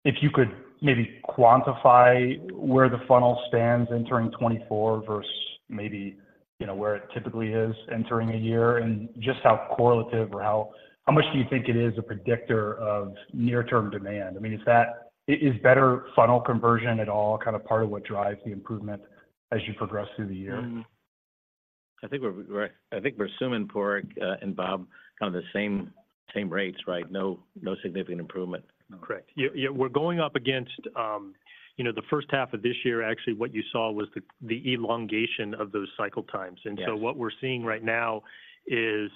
If you could maybe quantify where the funnel stands entering 2024 versus maybe, you know, where it typically is entering a year, and just how correlative or how, how much do you think it is a predictor of near-term demand? I mean, is that - is better funnel conversion at all kind of part of what drives the improvement as you progress through the year? Mm-hmm. I think we're assuming for, and Bob, kind of the same rates, right? No significant improvement. Correct. Yeah, yeah, we're going up against, you know, the first half of this year, actually, what you saw was the elongation of those cycle times. Yes. What we're seeing right now is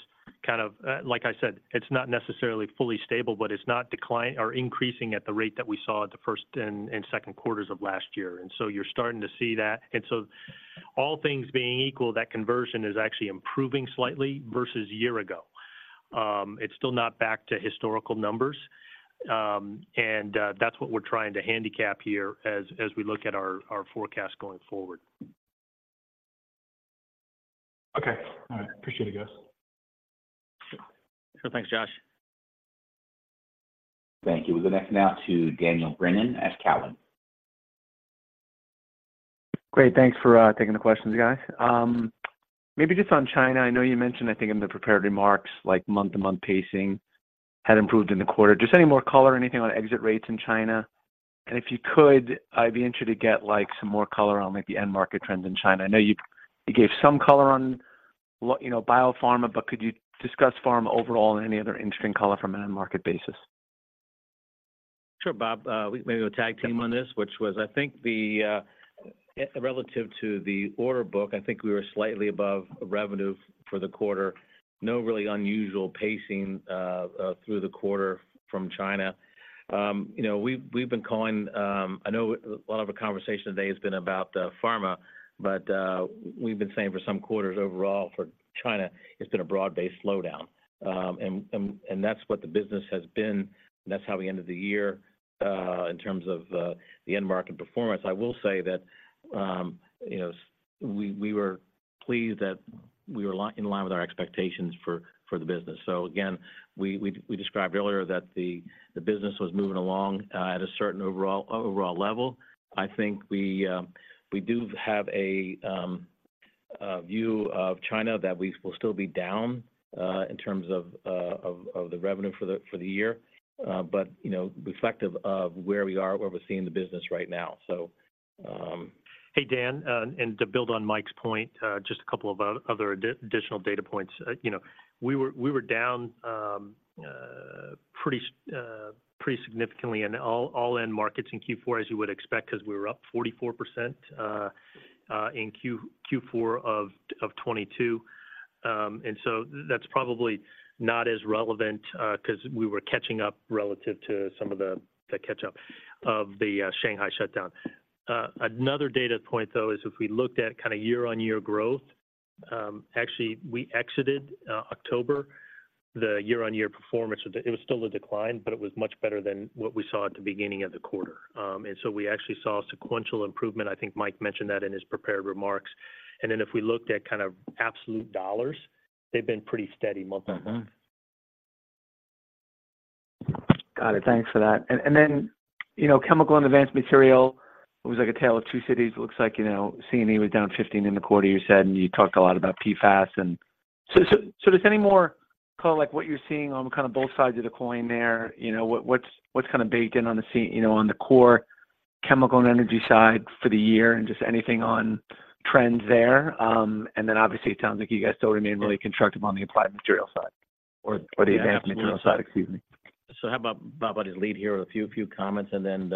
kind of, like I said, it's not necessarily fully stable, but it's not declining or increasing at the rate that we saw at the first and second quarters of last year. You're starting to see that. All things being equal, that conversion is actually improving slightly versus a year ago. It's still not back to historical numbers, and that's what we're trying to handicap here as we look at our forecast going forward. Okay. All right. Appreciate it, guys. Thanks, Josh. Thank you. We'll go next now to Daniel Brennan at Cowen. Great. Thanks for taking the questions, guys. Maybe just on China, I know you mentioned, I think in the prepared remarks, like month-to-month pacing had improved in the quarter. Just any more color or anything on exit rates in China? And if you could, I'd be interested to get, like, some more color on maybe end market trends in China. I know you, you gave some color on what, you know, biopharma, but could you discuss pharma overall and any other interesting color from an end market basis? Sure, Bob. We maybe we'll tag team on this, which was I think the, relative to the order book, I think we were slightly above revenue for the quarter. No really unusual pacing, through the quarter from China. You know, we've, we've been calling. I know a lot of our conversation today has been about, pharma, but, we've been saying for some quarters overall for China, it's been a broad-based slowdown. And, and, and that's what the business has been. That's how we ended the year, in terms of, the end market performance. I will say that, you know, we, we were pleased that we were in line with our expectations for, for the business. So again, we, we, we described earlier that the, the business was moving along, at a certain overall, overall level. I think we do have a view of China that we will still be down in terms of of the revenue for the year. But you know, reflective of where we are, where we're seeing the business right now, so- Hey, Dan, and to build on Mike's point, just a couple of other additional data points. You know, we were down pretty significantly in all end markets in Q4, as you would expect, because we were up 44% in Q4 of 2022. And so that's probably not as relevant, because we were catching up relative to some of the catch-up of the Shanghai shutdown. Another data point, though, is if we looked at kind of year-on-year growth, actually, we exited October, the year-on-year performance, it was still a decline, but it was much better than what we saw at the beginning of the quarter. And so we actually saw a sequential improvement. I think Mike mentioned that in his prepared remarks. And then if we looked at kind of absolute dollars, they've been pretty steady month-over-month. Mm-hmm. Got it. Thanks for that. And then, you know, chemical and advanced material, it was like a tale of two cities. It looks like, you know, C&E was down 15% in the quarter, you said, and you talked a lot about PFAS. And so there's any more kind of like what you're seeing on kind of both sides of the coin there, you know, what's kind of baked in on the C, you know, on the core chemical and energy side for the year, and just anything on trends there? And then obviously, it sounds like you guys still remain really constructive on the applied material side or, or the- Yeah. Absolutely Advanced material side, excuse me. So how about Bob, I'll just lead here with a few, few comments, and then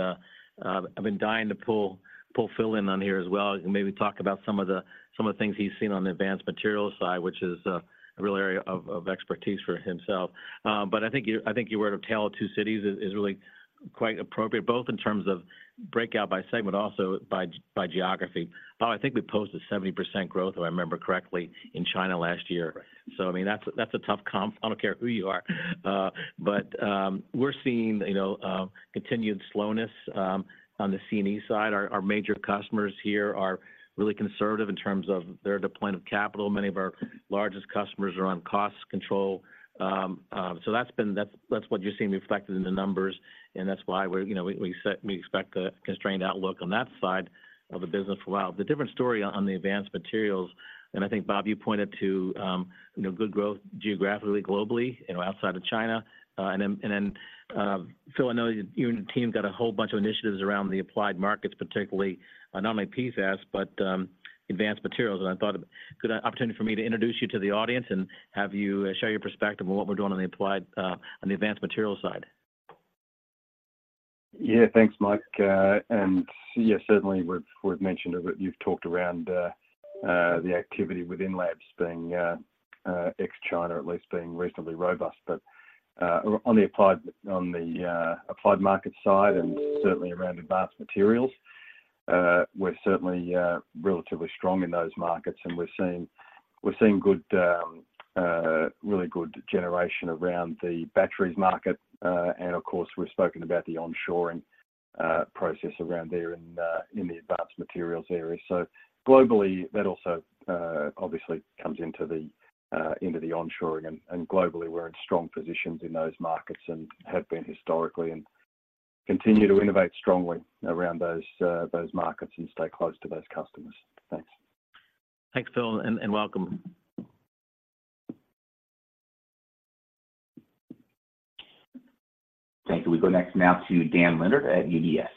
I've been dying to pull, pull Phil in on here as well, and maybe talk about some of the, some of the things he's seen on the advanced materials side, which is a real area of, of expertise for himself. But I think you, I think you were to tale of two cities is really quite appropriate, both in terms of breakout by segment, also by, by geography. Bob, I think we posted 70% growth, if I remember correctly, in China last year. Right. So, I mean, that's a tough comp. I don't care who you are. But we're seeing, you know, continued slowness on the C&E side. Our major customers here are really conservative in terms of their deployment of capital. Many of our largest customers are on cost control. So that's what you're seeing reflected in the numbers, and that's why we're, you know, we expect a constrained outlook on that side of the business for a while. It's a different story on the advanced materials, and I think, Bob, you pointed to, you know, good growth geographically, globally, you know, outside of China. And then, Phil, I know you and the team got a whole bunch of initiatives around the applied markets, particularly, not only PFAS, but advanced materials. I thought a good opportunity for me to introduce you to the audience and have you share your perspective on what we're doing on the applied, on the advanced materials side. Yeah. Thanks, Mike. And yeah, certainly, we've mentioned, you've talked around the activity within labs being ex-China, at least being reasonably robust. But on the applied market side and certainly around advanced materials, we're certainly relatively strong in those markets, and we're seeing good, really good generation around the batteries market. And of course, we've spoken about the onshoring process around there in the advanced materials area. So globally, that also obviously comes into the onshoring. And globally, we're in strong positions in those markets and have been historically, and- Continue to innovate strongly around those, those markets and stay close to those customers. Thanks. Thanks, Phil, and welcome. Thank you. We go next now to Dan Leonard at UBS.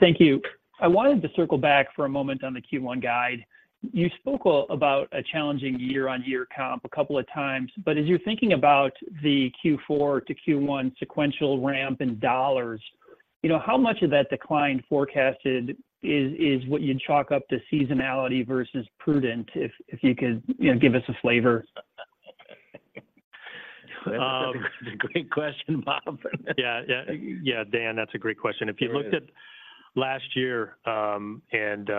Thank you. I wanted to circle back for a moment on the Q1 guide. You spoke about a challenging year-on-year comp a couple of times, but as you're thinking about the Q4 to Q1 sequential ramp in dollars, you know, how much of that decline forecasted is, is what you'd chalk up to seasonality versus prudent? If, if you could, you know, give us a flavor. Great question, Bob. Yeah. Yeah, yeah, Dan, that's a great question. Yeah. If you looked at last year, and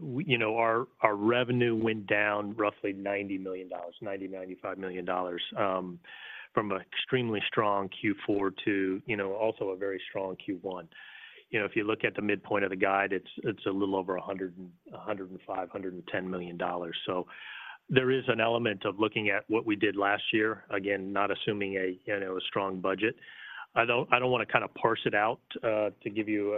we, you know, our revenue went down roughly $90million-$95 million from an extremely strong Q4 to, you know, also a very strong Q1. You know, if you look at the midpoint of the guide, it's a little over $105 million-$110 million. So there is an element of looking at what we did last year. Again, not assuming a, you know, a strong budget. I don't wanna kinda parse it out to give you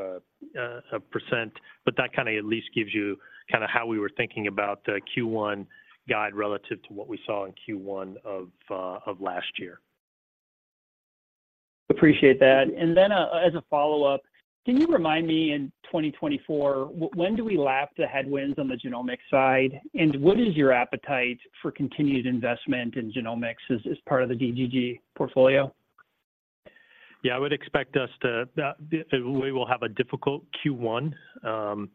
a percent, but that kinda at least gives you kinda how we were thinking about the Q1 guide relative to what we saw in Q1 of last year. Appreciate that. And then, as a follow-up, can you remind me, in 2024, when do we lap the headwinds on the genomics side? And what is your appetite for continued investment in genomics as part of the DGG portfolio? Yeah, I would expect us to we will have a difficult Q1, and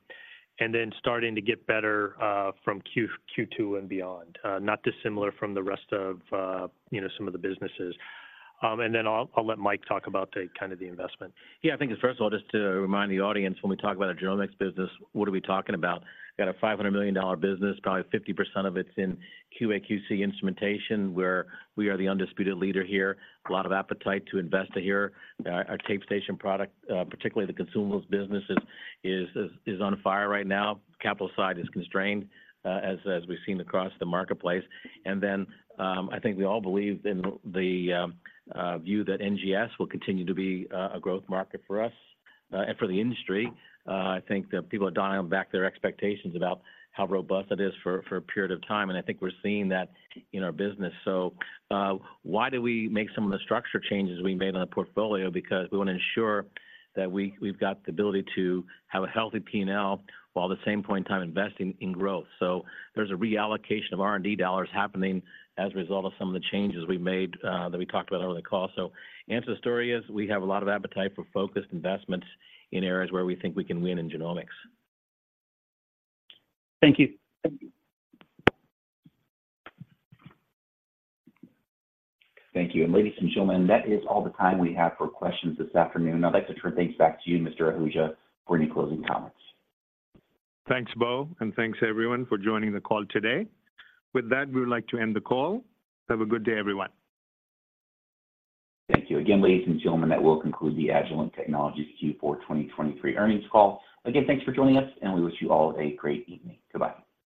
then starting to get better from Q2 and beyond. Not dissimilar from the rest of, you know, some of the businesses. And then I'll let Mike talk about the kind of the investment. Yeah, I think first of all, just to remind the audience, when we talk about our genomics business, what are we talking about? We've got a $500 million business. Probably 50% of it's in QA/QC instrumentation, where we are the undisputed leader here. A lot of appetite to invest in it here. Our TapeStation product, particularly the consumables business, is on fire right now. Capital side is constrained, as we've seen across the marketplace. And then, I think we all believe in the view that NGS will continue to be a growth market for us, and for the industry. I think that people are dialing back their expectations about how robust it is for a period of time, and I think we're seeing that in our business. So, why do we make some of the structure changes we made on the portfolio? Because we want to ensure that we've got the ability to have a healthy P&L, while at the same point in time, investing in growth. So there's a reallocation of R&D dollars happening as a result of some of the changes we made, that we talked about on the call. So answer to the story is, we have a lot of appetite for focused investments in areas where we think we can win in genomics. Thank you. Thank you. Ladies and gentlemen, that is all the time we have for questions this afternoon. I'd like to turn things back to you, Mr. Ahuja, for any closing comments. Thanks, Beau, and thanks, everyone, for joining the call today. With that, we would like to end the call. Have a good day, everyone. Thank you again, ladies and gentlemen, that will conclude the Agilent Technologies Q4 2023 earnings call. Again, thanks for joining us, and we wish you all a great evening. Goodbye.